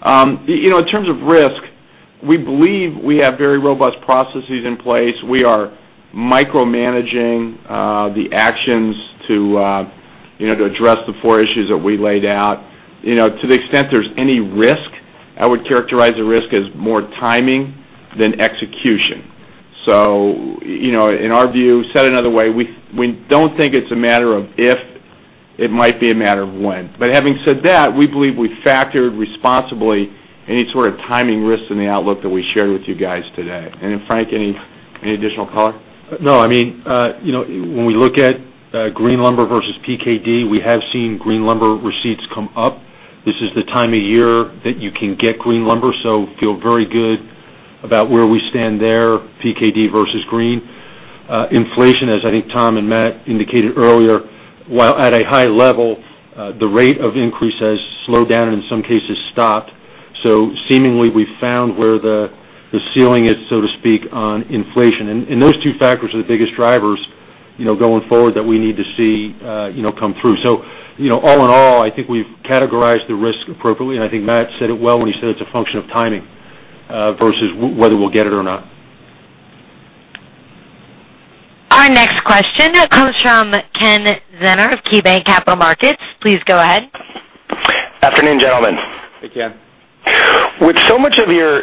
In terms of risk, we believe we have very robust processes in place. We are micromanaging the actions to address the four issues that we laid out. To the extent there's any risk, I would characterize the risk as more timing than execution. In our view, said another way, we don't think it's a matter of if, it might be a matter of when. Having said that, we believe we factored responsibly any sort of timing risks in the outlook that we shared with you guys today. Then Frank, any additional color? No. When we look at green lumber versus KD, we have seen green lumber receipts come up. This is the time of year that you can get green lumber, so feel very good about where we stand there, KD versus green. Inflation, as I think Tom and Matt indicated earlier, while at a high level, the rate of increase has slowed down and in some cases stopped. Seemingly, we've found where the ceiling is, so to speak, on inflation. Those two factors are the biggest drivers going forward that we need to see come through. All in all, I think we've categorized the risk appropriately, and I think Matt said it well when he said it's a function of timing versus whether we'll get it or not. Our next question comes from Kenneth Zener of KeyBanc Capital Markets. Please go ahead. Afternoon, gentlemen. Hey, Ken. With so much of your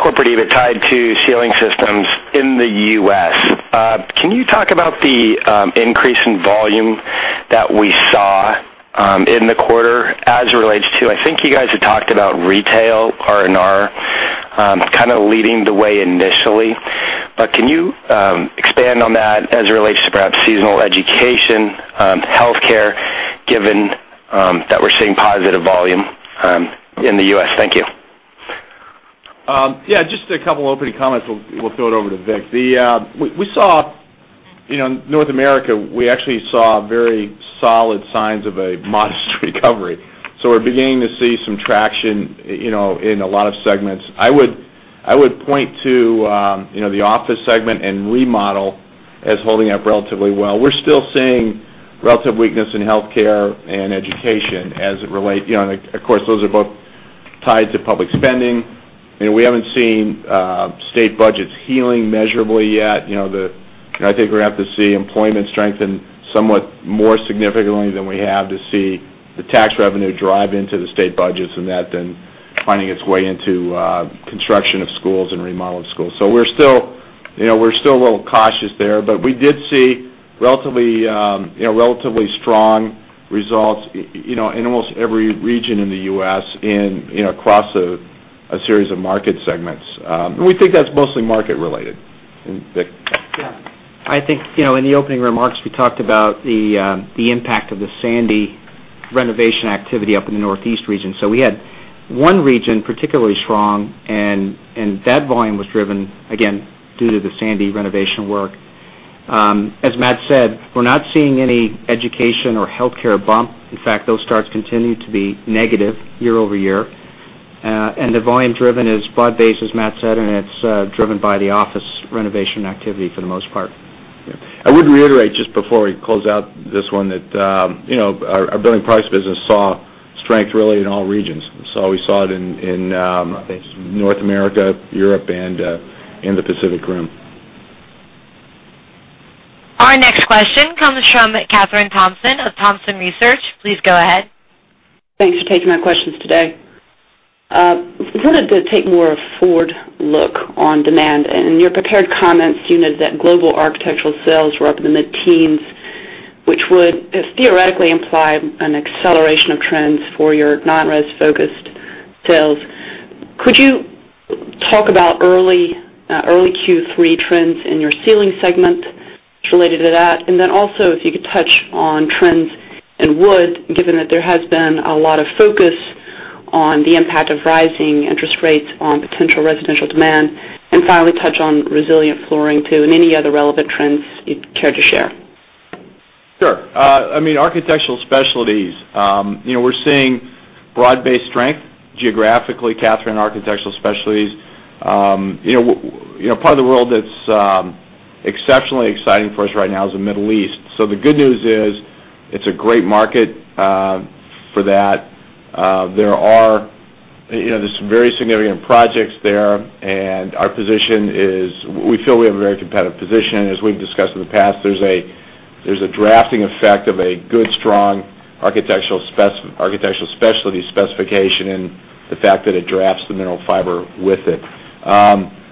corporate EBIT tied to ceiling systems in the U.S., can you talk about the increase in volume that we saw in the quarter as it relates to, I think you guys had talked about retail R&R kind of leading the way initially. Can you expand on that as it relates to perhaps seasonal education, healthcare, given that we're seeing positive volume in the U.S.? Thank you. Yeah, just a couple opening comments. We'll throw it over to Vic. In North America, we actually saw very solid signs of a modest recovery. We're beginning to see some traction in a lot of segments. I would point to the office segment and remodel as holding up relatively well. We're still seeing relative weakness in healthcare and education. Of course, those are both tied to public spending, and we haven't seen state budgets healing measurably yet. I think we're going to have to see employment strengthen somewhat more significantly than we have to see the tax revenue drive into the state budgets, and that then finding its way into construction of schools and remodeling schools. We're still a little cautious there, but we did see relatively strong results in almost every region in the U.S. and across a series of market segments. We think that's mostly market related. Vic? Yeah. I think, in the opening remarks, we talked about the impact of the Sandy renovation activity up in the Northeast region. We had one region particularly strong, and that volume was driven, again, due to the Sandy renovation work. As Matt said, we're not seeing any education or healthcare bump. In fact, those starts continue to be negative year-over-year. The volume driven is broad-based, as Matt said, and it's driven by the office renovation activity for the most part. Yeah. I would reiterate, just before we close out this one, that our Building Products business saw strength really in all regions. We saw it. Broad-based North America, Europe, and in the Pacific Rim. Our next question comes from Kathryn Thompson of Thompson Research. Please go ahead. Thanks for taking our questions today. I wanted to take more of forward look on demand. In your prepared comments, you noted that global architectural sales were up in the mid-teens, which would theoretically imply an acceleration of trends for your non-res-focused sales. Could you talk about early Q3 trends in your ceiling segment related to that? Then also, if you could touch on trends in wood, given that there has been a lot of focus on the impact of rising interest rates on potential residential demand. Finally, touch on resilient flooring, too, and any other relevant trends you'd care to share. Sure. Architectural Specialties, we're seeing broad-based strength geographically, Kathryn, in Architectural Specialties. Part of the world that's exceptionally exciting for us right now is the Middle East. The good news is it's a great market for that. There's some very significant projects there, and our position is we feel we have a very competitive position. As we've discussed in the past, there's a drafting effect of a good, strong Architectural Specialties specification and the fact that it drafts the mineral fiber with it.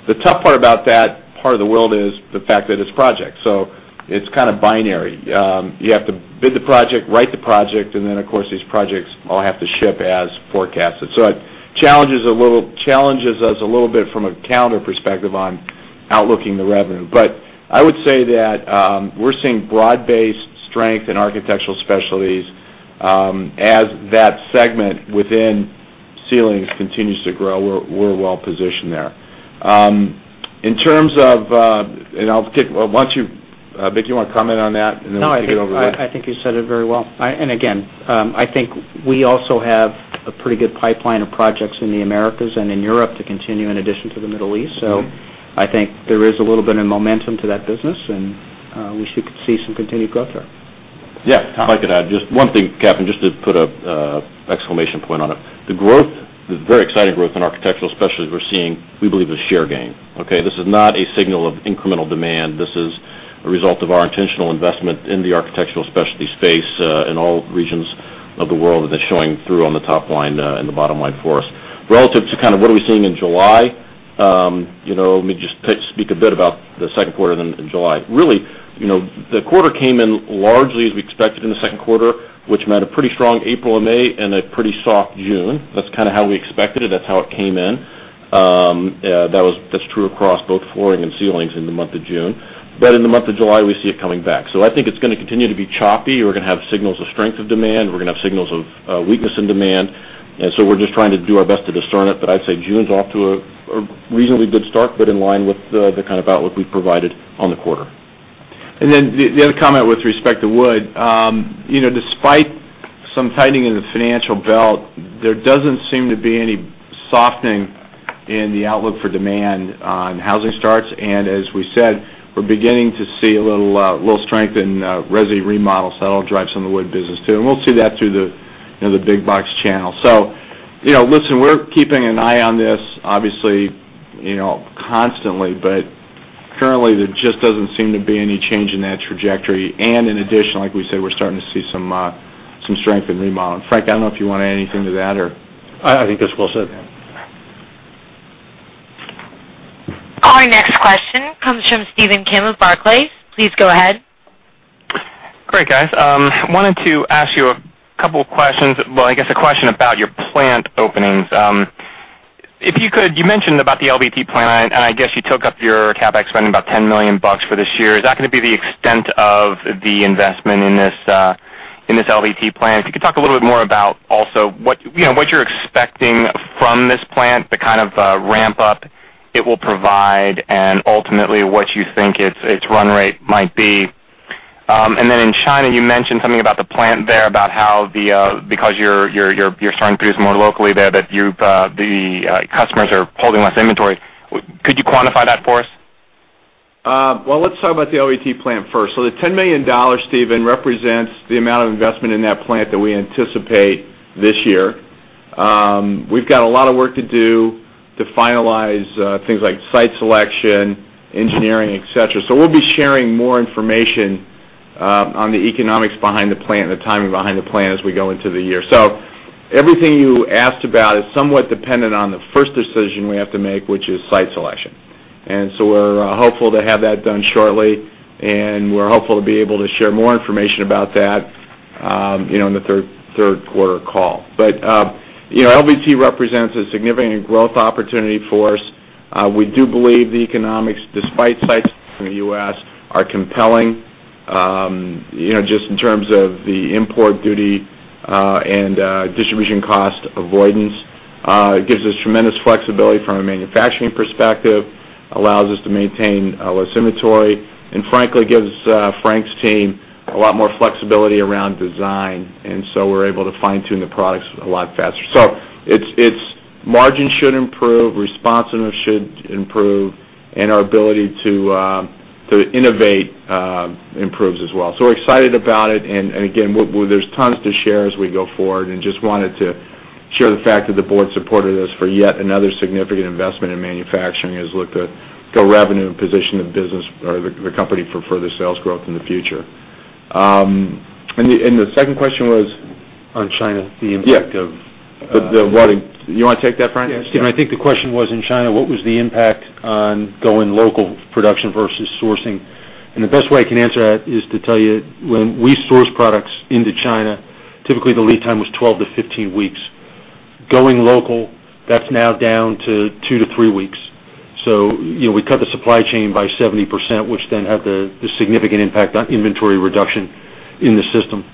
The tough part about that part of the world is the fact that it's project, so it's kind of binary. You have to bid the project, write the project, and then, of course, these projects all have to ship as forecasted. It challenges us a little bit from a calendar perspective on outlooking the revenue. I would say that we're seeing broad-based strength in Architectural Specialties. As that segment within ceilings continues to grow, we're well positioned there. Vic, you want to comment on that, and then we'll kick it over. No, I think you said it very well. Again, I think we also have a pretty good pipeline of projects in the Americas and in Europe to continue in addition to the Middle East. I think there is a little bit of momentum to that business, and we should see some continued growth there. Yeah. Kathryn- If I could add just one thing, Kathryn, just to put an exclamation point on it. The very exciting growth in Architectural Specialties we're seeing, we believe is share gain, okay? This is not a signal of incremental demand. This is a result of our intentional investment in the Architectural Specialty space in all regions of the world that's showing through on the top line and the bottom line for us. Relative to what are we seeing in July, let me just speak a bit about the second quarter, then July. Really, the quarter came in largely as we expected in the second quarter, which meant a pretty strong April and May and a pretty soft June. That's kind of how we expected it. That's how it came in. That's true across both flooring and ceilings in the month of June. In the month of July, we see it coming back. I think it's going to continue to be choppy. We're going to have signals of strength of demand. We're going to have signals of weakness in demand. We're just trying to do our best to discern it. I'd say June's off to a reasonably good start, but in line with the kind of outlook we provided on the quarter. The other comment with respect to wood. Despite some tightening of the financial belt, there doesn't seem to be any softening in the outlook for demand on housing starts. As we said, we're beginning to see a little strength in resi remodels. That'll drive some of the wood business, too, and we'll see that through the big box channel. Listen, we're keeping an eye on this, obviously, constantly, but currently there just doesn't seem to be any change in that trajectory. In addition, like we said, we're starting to see some strength in remodel. Frank, I don't know if you want to add anything to that, or I think that's well said. Our next question comes from Stephen Kim of Barclays. Please go ahead. Great, guys. I wanted to ask you a couple questions. I guess a question about your plant openings. If you could, you mentioned about the LVT plant. I guess you took up your CapEx spending about $10 million for this year. Is that going to be the extent of the investment in this LVT plant? If you could talk a little bit more about also what you're expecting from this plant, the kind of ramp-up it will provide, and ultimately what you think its run rate might be. In China, you mentioned something about the plant there, about how because you're starting to produce more locally there, that the customers are holding less inventory. Could you quantify that for us? Let's talk about the LVT plant first. The $10 million, Stephen, represents the amount of investment in that plant that we anticipate this year. We've got a lot of work to do to finalize things like site selection, engineering, et cetera. We'll be sharing more information on the economics behind the plant and the timing behind the plant as we go into the year. Everything you asked about is somewhat dependent on the first decision we have to make, which is site selection. We're hopeful to have that done shortly, and we're hopeful to be able to share more information about that in the third quarter call. LVT represents a significant growth opportunity for us. We do believe the economics, despite sites in the U.S., are compelling, just in terms of the import duty and distribution cost avoidance. It gives us tremendous flexibility from a manufacturing perspective, allows us to maintain less inventory, and frankly gives Frank's team a lot more flexibility around design. We're able to fine-tune the products a lot faster. Its margin should improve, responsiveness should improve, and our ability to innovate improves as well. We're excited about it, and again, there's tons to share as we go forward. Just wanted to share the fact that the board supported us for yet another significant investment in manufacturing as we look to grow revenue and position the business or the company for further sales growth in the future. The second question was? On China, the impact of- Yeah. You want to take that, Frank? Yeah. Stephen, I think the question was, in China, what was the impact on going local production versus sourcing? The best way I can answer that is to tell you when we source products into China, typically the lead time was 12-15 weeks. Going local, that's now down to two-three weeks. We cut the supply chain by 70%, which then had the significant impact on inventory reduction in the system.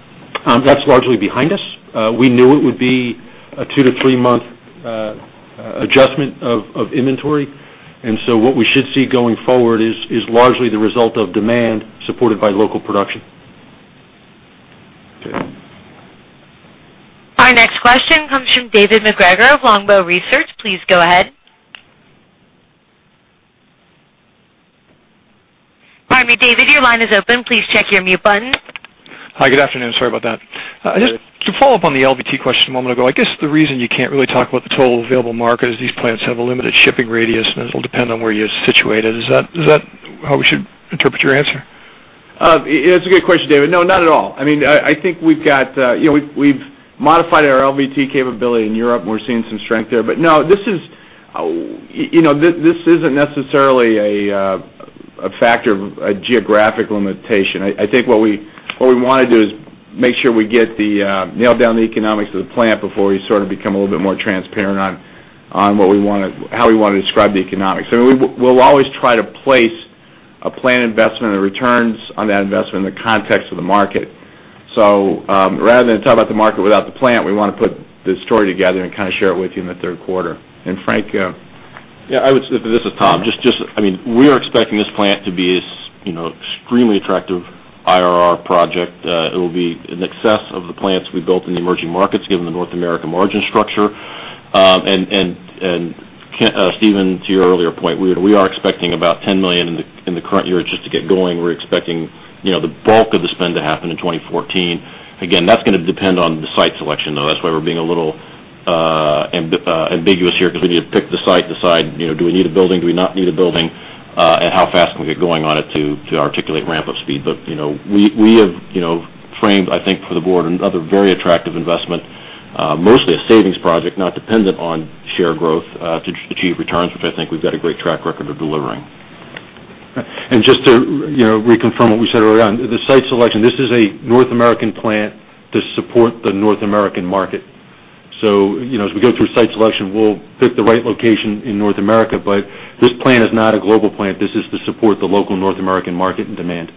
That's largely behind us. We knew it would be a two-to-three month adjustment of inventory. What we should see going forward is largely the result of demand supported by local production. Okay. Our next question comes from David MacGregor of Longbow Research. Please go ahead. Pardon me, David. Your line is open. Please check your mute button. Hi. Good afternoon. Sorry about that. Just to follow up on the LVT question a moment ago, I guess the reason you can't really talk about the total available market is these plants have a limited shipping radius, and it'll depend on where you're situated. Is that how we should interpret your answer? It's a good question, David. No, not at all. I think we've modified our LVT capability in Europe, and we're seeing some strength there. No, this isn't necessarily a factor of a geographic limitation. I think what we want to do is make sure we nail down the economics of the plant before we sort of become a little bit more transparent on how we want to describe the economics. We'll always try to place a planned investment and the returns on that investment in the context of the market. Rather than talk about the market without the plant, we want to put the story together and kind of share it with you in the third quarter. Frank? Yeah, this is Tom. We are expecting this plant to be extremely attractive IRR project. It will be in excess of the plants we built in the emerging markets, given the North American margin structure. Stephen, to your earlier point, we are expecting about $10 million in the current year just to get going. We're expecting the bulk of the spend to happen in 2014. Again, that's going to depend on the site selection, though. That's why we're being a little ambiguous here because we need to pick the site, decide do we need a building, do we not need a building, and how fast can we get going on it to articulate ramp-up speed. We have framed, I think, for the board, another very attractive investment, mostly a savings project, not dependent on share growth to achieve returns, which I think we've got a great track record of delivering. Just to reconfirm what we said earlier on, the site selection, this is a North American plant to support the North American market. As we go through site selection, we'll pick the right location in North America. This plant is not a global plant. This is to support the local North American market and demand.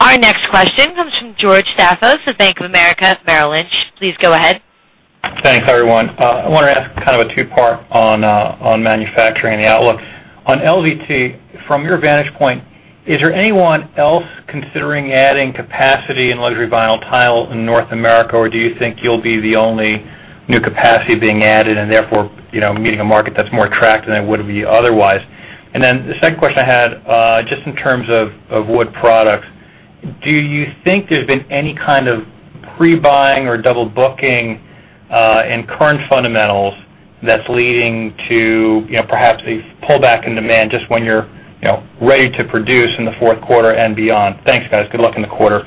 Our next question comes from George Staphos of Bank of America Merrill Lynch. Please go ahead. Thanks, everyone. I want to ask a two-part on manufacturing the outlook. On LVT, from your vantage point, is there anyone else considering adding capacity in luxury vinyl tile in North America, or do you think you'll be the only new capacity being added and therefore, meeting a market that's more attractive than it would be otherwise? The second question I had, just in terms of wood products, do you think there's been any kind of pre-buying or double booking in current fundamentals that's leading to perhaps a pullback in demand just when you're ready to produce in the fourth quarter and beyond? Thanks, guys. Good luck in the quarter.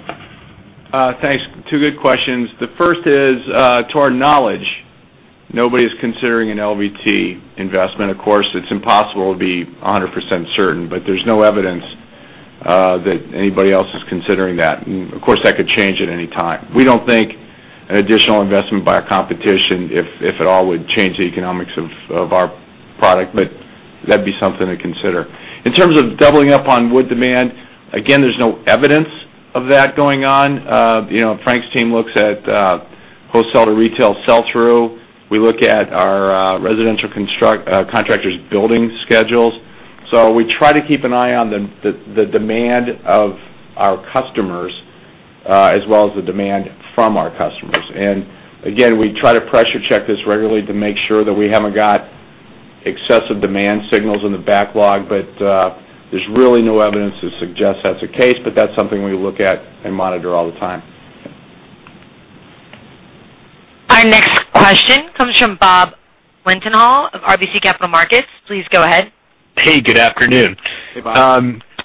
Thanks. Two good questions. The first is, to our knowledge, nobody's considering an LVT investment. Of course, it's impossible to be 100% certain, but there's no evidence that anybody else is considering that. Of course, that could change at any time. We don't think an additional investment by our competition, if at all, would change the economics of our product, but that'd be something to consider. In terms of doubling up on wood demand, again, there's no evidence of that going on. Frank's team looks at wholesaler retail sell-through. We look at our residential contractors' building schedules. We try to keep an eye on the demand of our customers, as well as the demand from our customers. Again, we try to pressure check this regularly to make sure that we haven't got excessive demand signals in the backlog, there's really no evidence to suggest that's the case, that's something we look at and monitor all the time. Our next question comes from Robert Wetenhall of RBC Capital Markets. Please go ahead. Hey, good afternoon. Hey, Bob.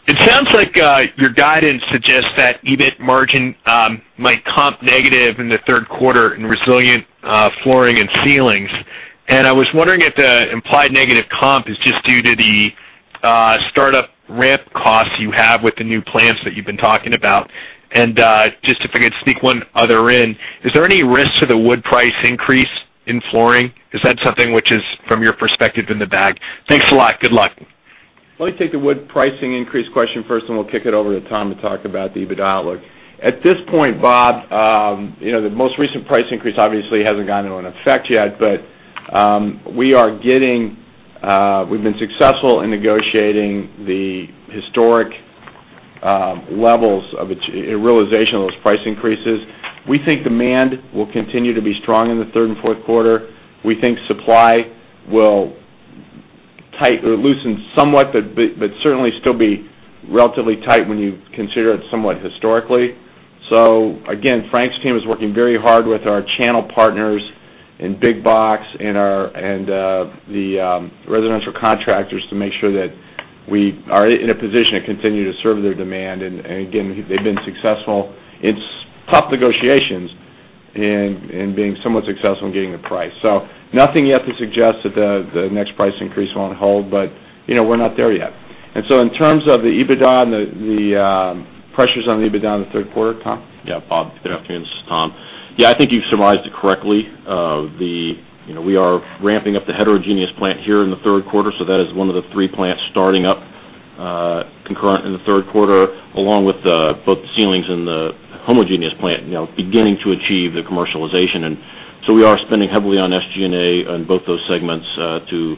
It sounds like your guidance suggests that EBIT margin might comp negative in the third quarter in resilient flooring and ceilings, and I was wondering if the implied negative comp is just due to the startup ramp costs you have with the new plants that you've been talking about. Just if I could sneak one other in, is there any risk to the wood price increase in flooring? Is that something which is, from your perspective, in the bag? Thanks a lot. Good luck. Let me take the wood pricing increase question first. We'll kick it over to Tom to talk about the EBITDA outlook. At this point, Bob, the most recent price increase obviously hasn't gone into effect yet, but we've been successful in negotiating the historic levels of realization of those price increases. We think demand will continue to be strong in the third and fourth quarter. We think supply will loosen somewhat, but certainly still be relatively tight when you consider it somewhat historically. Again, Frank's team is working very hard with our channel partners in big box and the residential contractors to make sure that we are in a position to continue to serve their demand. Again, they've been successful. It's tough negotiations and being somewhat successful in getting the price. Nothing yet to suggest that the next price increase won't hold, but we're not there yet. In terms of the pressures on the EBITDA in the third quarter, Tom? Bob, good afternoon. This is Tom. I think you've surmised it correctly. We are ramping up the heterogeneous plant here in the third quarter. That is one of the three plants starting up concurrent in the third quarter, along with both the ceilings and the homogeneous plant beginning to achieve the commercialization. We are spending heavily on SG&A on both those segments to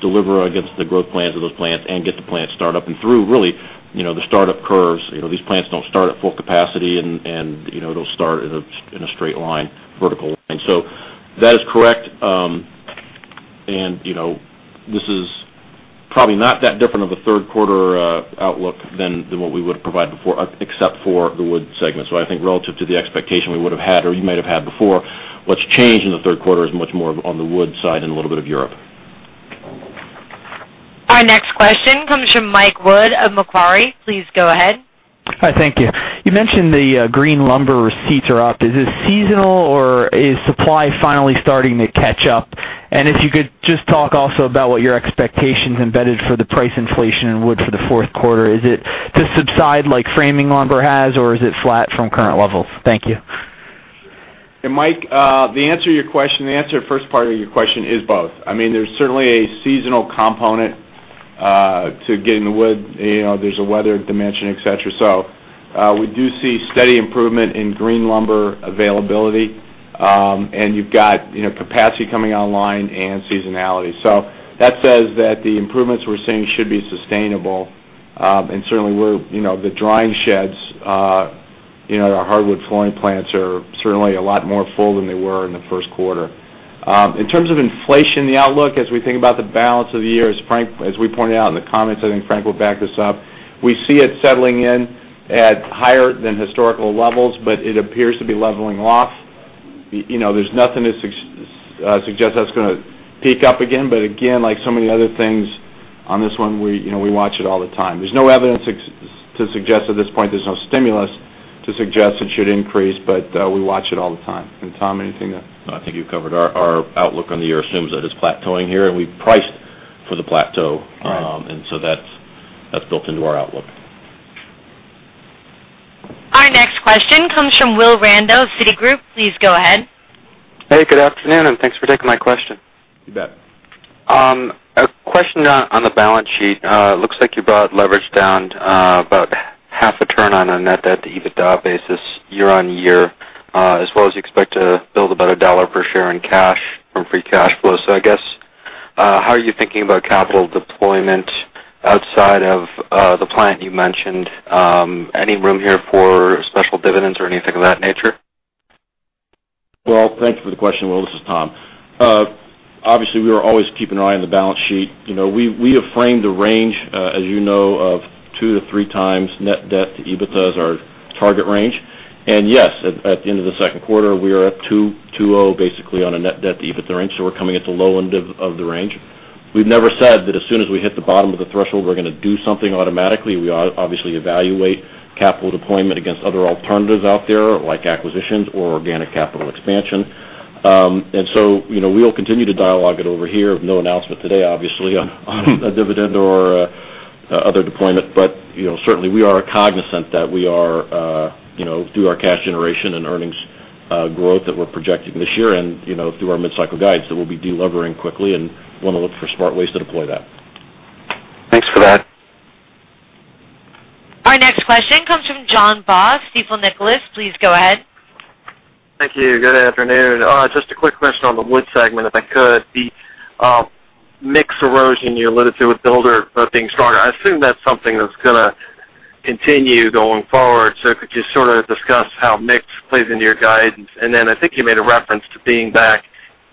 deliver against the growth plans of those plants and get the plants start up and through, really, the startup curves. These plants don't start at full capacity. They'll start in a straight line, vertical line. That is correct. This is probably not that different of a third quarter outlook than what we would've provided before, except for the wood segment. I think relative to the expectation we would've had or you might have had before, what's changed in the third quarter is much more on the wood side and a little bit of Europe. Our next question comes from Michael Wood of Macquarie. Please go ahead. Hi, thank you. You mentioned the green lumber receipts are up. Is this seasonal, or is supply finally starting to catch up? If you could just talk also about what your expectations embedded for the price inflation in wood for the fourth quarter. Is it to subside like framing lumber has, or is it flat from current levels? Thank you. Mike, the answer to the first part of your question is both. There's certainly a seasonal component to getting the wood. There's a weather dimension, et cetera. We do see steady improvement in green lumber availability. You've got capacity coming online and seasonality. That says that the improvements we're seeing should be sustainable. Certainly, the drying sheds, our hardwood flooring plants are certainly a lot more full than they were in the first quarter. In terms of inflation, the outlook, as we think about the balance of the year, as we pointed out in the comments, I think Frank will back this up, we see it settling in at higher than historical levels, but it appears to be leveling off. There's nothing that suggests that's going to peak up again, but again, like so many other things on this one, we watch it all the time. There's no evidence to suggest at this point, there's no stimulus to suggest it should increase, but we watch it all the time. Tom, anything to No, I think you've covered. Our outlook on the year assumes that it's plateauing here, and we priced for the plateau. Right. That's built into our outlook. Our next question comes from Willy Randow of Citigroup. Please go ahead. Hey, good afternoon, and thanks for taking my question. You bet. A question on the balance sheet. It looks like you brought leverage down about half a turn on a net debt to EBITDA basis year-on-year, as well as you expect to build about a dollar per share in cash from free cash flow. I guess, how are you thinking about capital deployment outside of the plant you mentioned? Any room here for special dividends or anything of that nature? Well, thank you for the question, Willy. This is Tom. Obviously, we are always keeping an eye on the balance sheet. We have framed the range, as you know, of two to three times net debt to EBITDA as our target range. Yes, at the end of the second quarter, we are up 2.0 basically on a net debt to EBITDA range, so we're coming at the low end of the range. We've never said that as soon as we hit the bottom of the threshold, we're going to do something automatically. We obviously evaluate capital deployment against other alternatives out there, like acquisitions or organic capital expansion. We'll continue to dialogue it over here. No announcement today, obviously, on a dividend or other deployment. Certainly, we are cognizant that we are, through our cash generation and earnings growth that we're projecting this year and through our mid-cycle guides, that we'll be de-levering quickly and want to look for smart ways to deploy that. Thanks for that. Our next question comes from John Baugh, Stifel Nicolaus. Please go ahead. Thank you. Good afternoon. Just a quick question on the wood segment, if I could. The mix erosion you alluded to with builder growth being stronger, I assume that's something that's going to continue going forward. If you could just sort of discuss how mix plays into your guidance. I think you made a reference to being back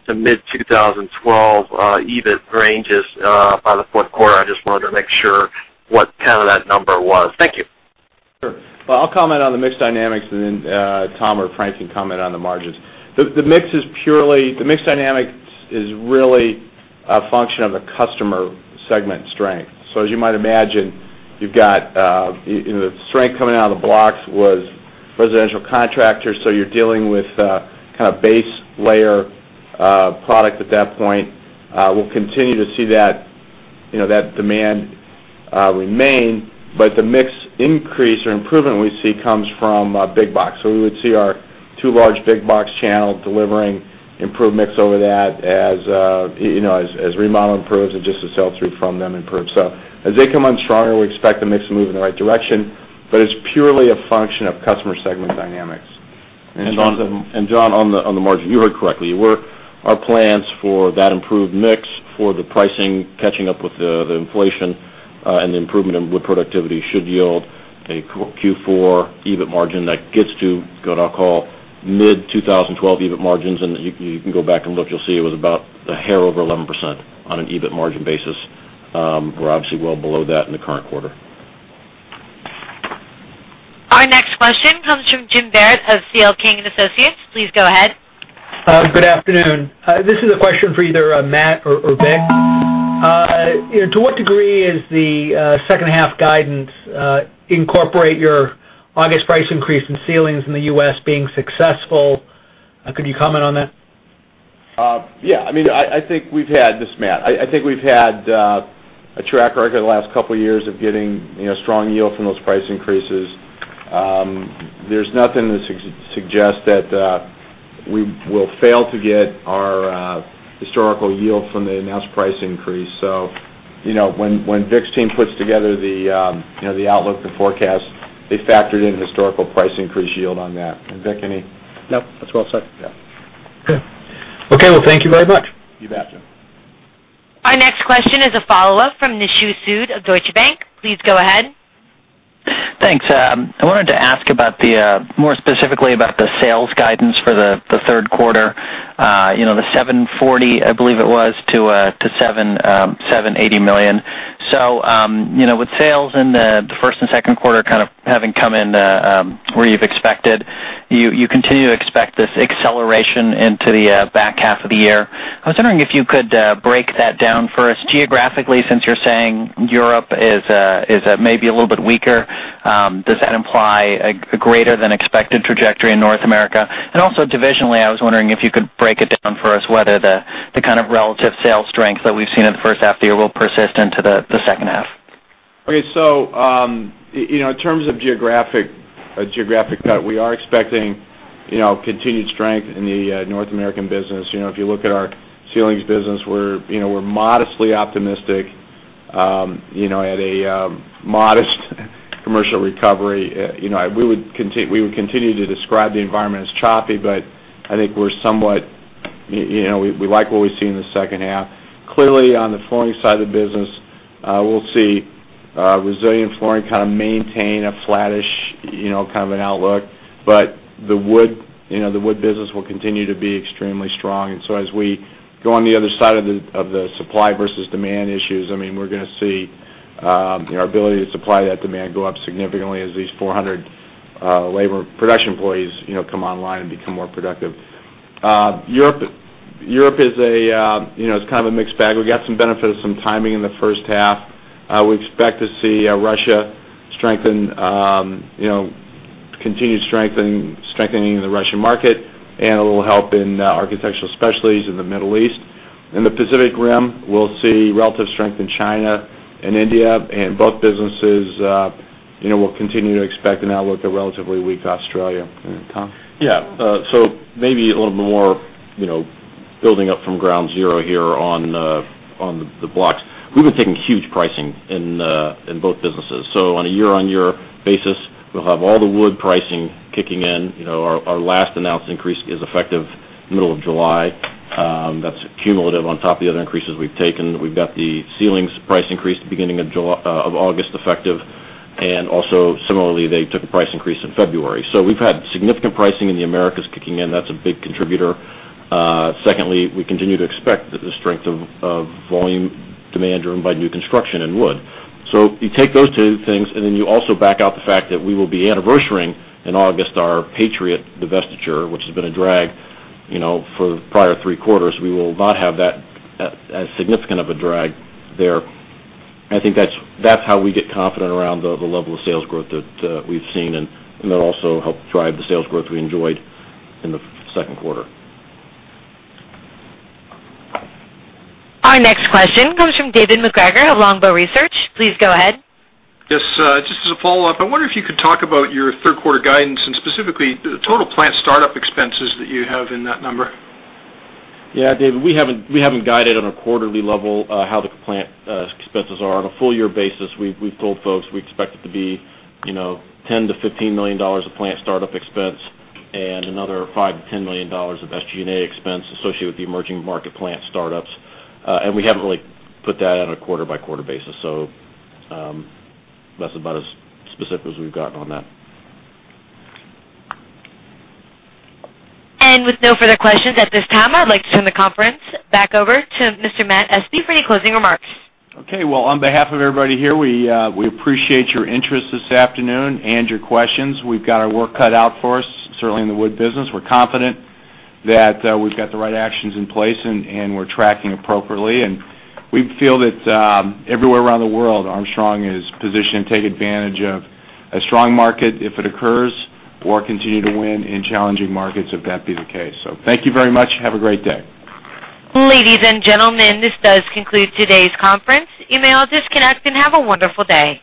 to mid 2012 EBIT ranges by the fourth quarter. I just wanted to make sure what kind of that number was. Thank you. Sure. Well, I'll comment on the mix dynamics and then Tom or Frank can comment on the margins. The mix dynamic is really a function of the customer segment strength. As you might imagine, the strength coming out of the blocks was residential contractors, so you're dealing with a kind of base layer product at that point. We'll continue to see that demand remain, the mix increase or improvement we see comes from big box. We would see our two large big box channel delivering improved mix over that as remodeling improves and just the sell-through from them improves. As they come on stronger, we expect the mix to move in the right direction, but it's purely a function of customer segment dynamics. John, on the margin, you heard correctly. Our plans for that improved mix, for the pricing catching up with the inflation, and the improvement in wood productivity should yield a Q4 EBIT margin that gets to, go to call, mid 2012 EBIT margins, and you can go back and look. You'll see it was about a hair over 11% on an EBIT margin basis. We're obviously well below that in the current quarter. Our next question comes from Jim Barrett of C.L. King & Associates. Please go ahead. Good afternoon. This is a question for either Matt or Vic. To what degree is the second half guidance incorporate your August price increase in ceilings in the U.S. being successful? Could you comment on that? Yeah. This is Matt. I think we've had a track record the last couple of years of getting strong yield from those price increases. There's nothing that suggests that we will fail to get our historical yield from the announced price increase. When Vic's team puts together the outlook, the forecast, they factored in historical price increase yield on that. Vic, any- Nope, that's well said. Yeah. Okay. Well, thank you very much. You bet, Jim. Our next question is a follow-up from Nishu Sood of Deutsche Bank. Please go ahead. Thanks. I wanted to ask more specifically about the sales guidance for the third quarter. The $740 million-$780 million, I believe it was. With sales in the first and second quarter kind of having come in where you've expected, you continue to expect this acceleration into the back half of the year. I was wondering if you could break that down for us geographically, since you're saying Europe is maybe a little bit weaker. Does that imply a greater than expected trajectory in North America? Divisionally, I was wondering if you could break it down for us, whether the kind of relative sales strength that we've seen in the first half of the year will persist into the second half. Okay. In terms of geographic cut, we are expecting continued strength in the North American business. If you look at our ceilings business, we're modestly optimistic, at a modest commercial recovery. We would continue to describe the environment as choppy, but I think we like what we see in the second half. Clearly, on the flooring side of the business, we'll see resilient flooring kind of maintain a flattish kind of an outlook. The wood business will continue to be extremely strong. As we go on the other side of the supply versus demand issues, we're going to see our ability to supply that demand go up significantly as these 400 labor production employees come online and become more productive. Europe is kind of a mixed bag. We got some benefit of some timing in the first half. We expect to see Russia strengthen, continued strengthening in the Russian market and a little help in Architectural Specialties in the Middle East. In the Pacific Rim, we'll see relative strength in China and India, both businesses will continue to expect an outlook of relatively weak Australia. Tom? Maybe a little bit more building up from ground zero here on the blocks. We've been taking huge pricing in both businesses. On a year-on-year basis, we'll have all the wood pricing kicking in. Our last announced increase is effective middle of July. That's cumulative on top of the other increases we've taken. We've got the ceilings price increase the beginning of August effective, and also similarly, they took a price increase in February. We've had significant pricing in the Americas kicking in. That's a big contributor. Secondly, we continue to expect the strength of volume demand driven by new construction in wood. You take those two things, and then you also back out the fact that we will be anniversarying in August our Patriot divestiture, which has been a drag for the prior three quarters. We will not have that as significant of a drag there. I think that's how we get confident around the level of sales growth that we've seen, and that'll also help drive the sales growth we enjoyed in the second quarter. Our next question comes from David MacGregor of Longbow Research. Please go ahead. Just as a follow-up, I wonder if you could talk about your third quarter guidance and specifically the total plant startup expenses that you have in that number. David, we haven't guided on a quarterly level how the plant expenses are. On a full year basis, we've told folks we expect it to be $10 million-$15 million of plant startup expense and another $5 million-$10 million of SG&A expense associated with the emerging market plant startups. We haven't really put that on a quarter-by-quarter basis. That's about as specific as we've gotten on that. With no further questions at this time, I'd like to turn the conference back over to Mr. Matt Espe for any closing remarks. Okay. Well, on behalf of everybody here, we appreciate your interest this afternoon and your questions. We've got our work cut out for us, certainly in the wood business. We're confident that we've got the right actions in place, we're tracking appropriately, and we feel that everywhere around the world, Armstrong is positioned to take advantage of a strong market if it occurs, or continue to win in challenging markets if that be the case. Thank you very much. Have a great day. Ladies and gentlemen, this does conclude today's conference. You may all disconnect and have a wonderful day.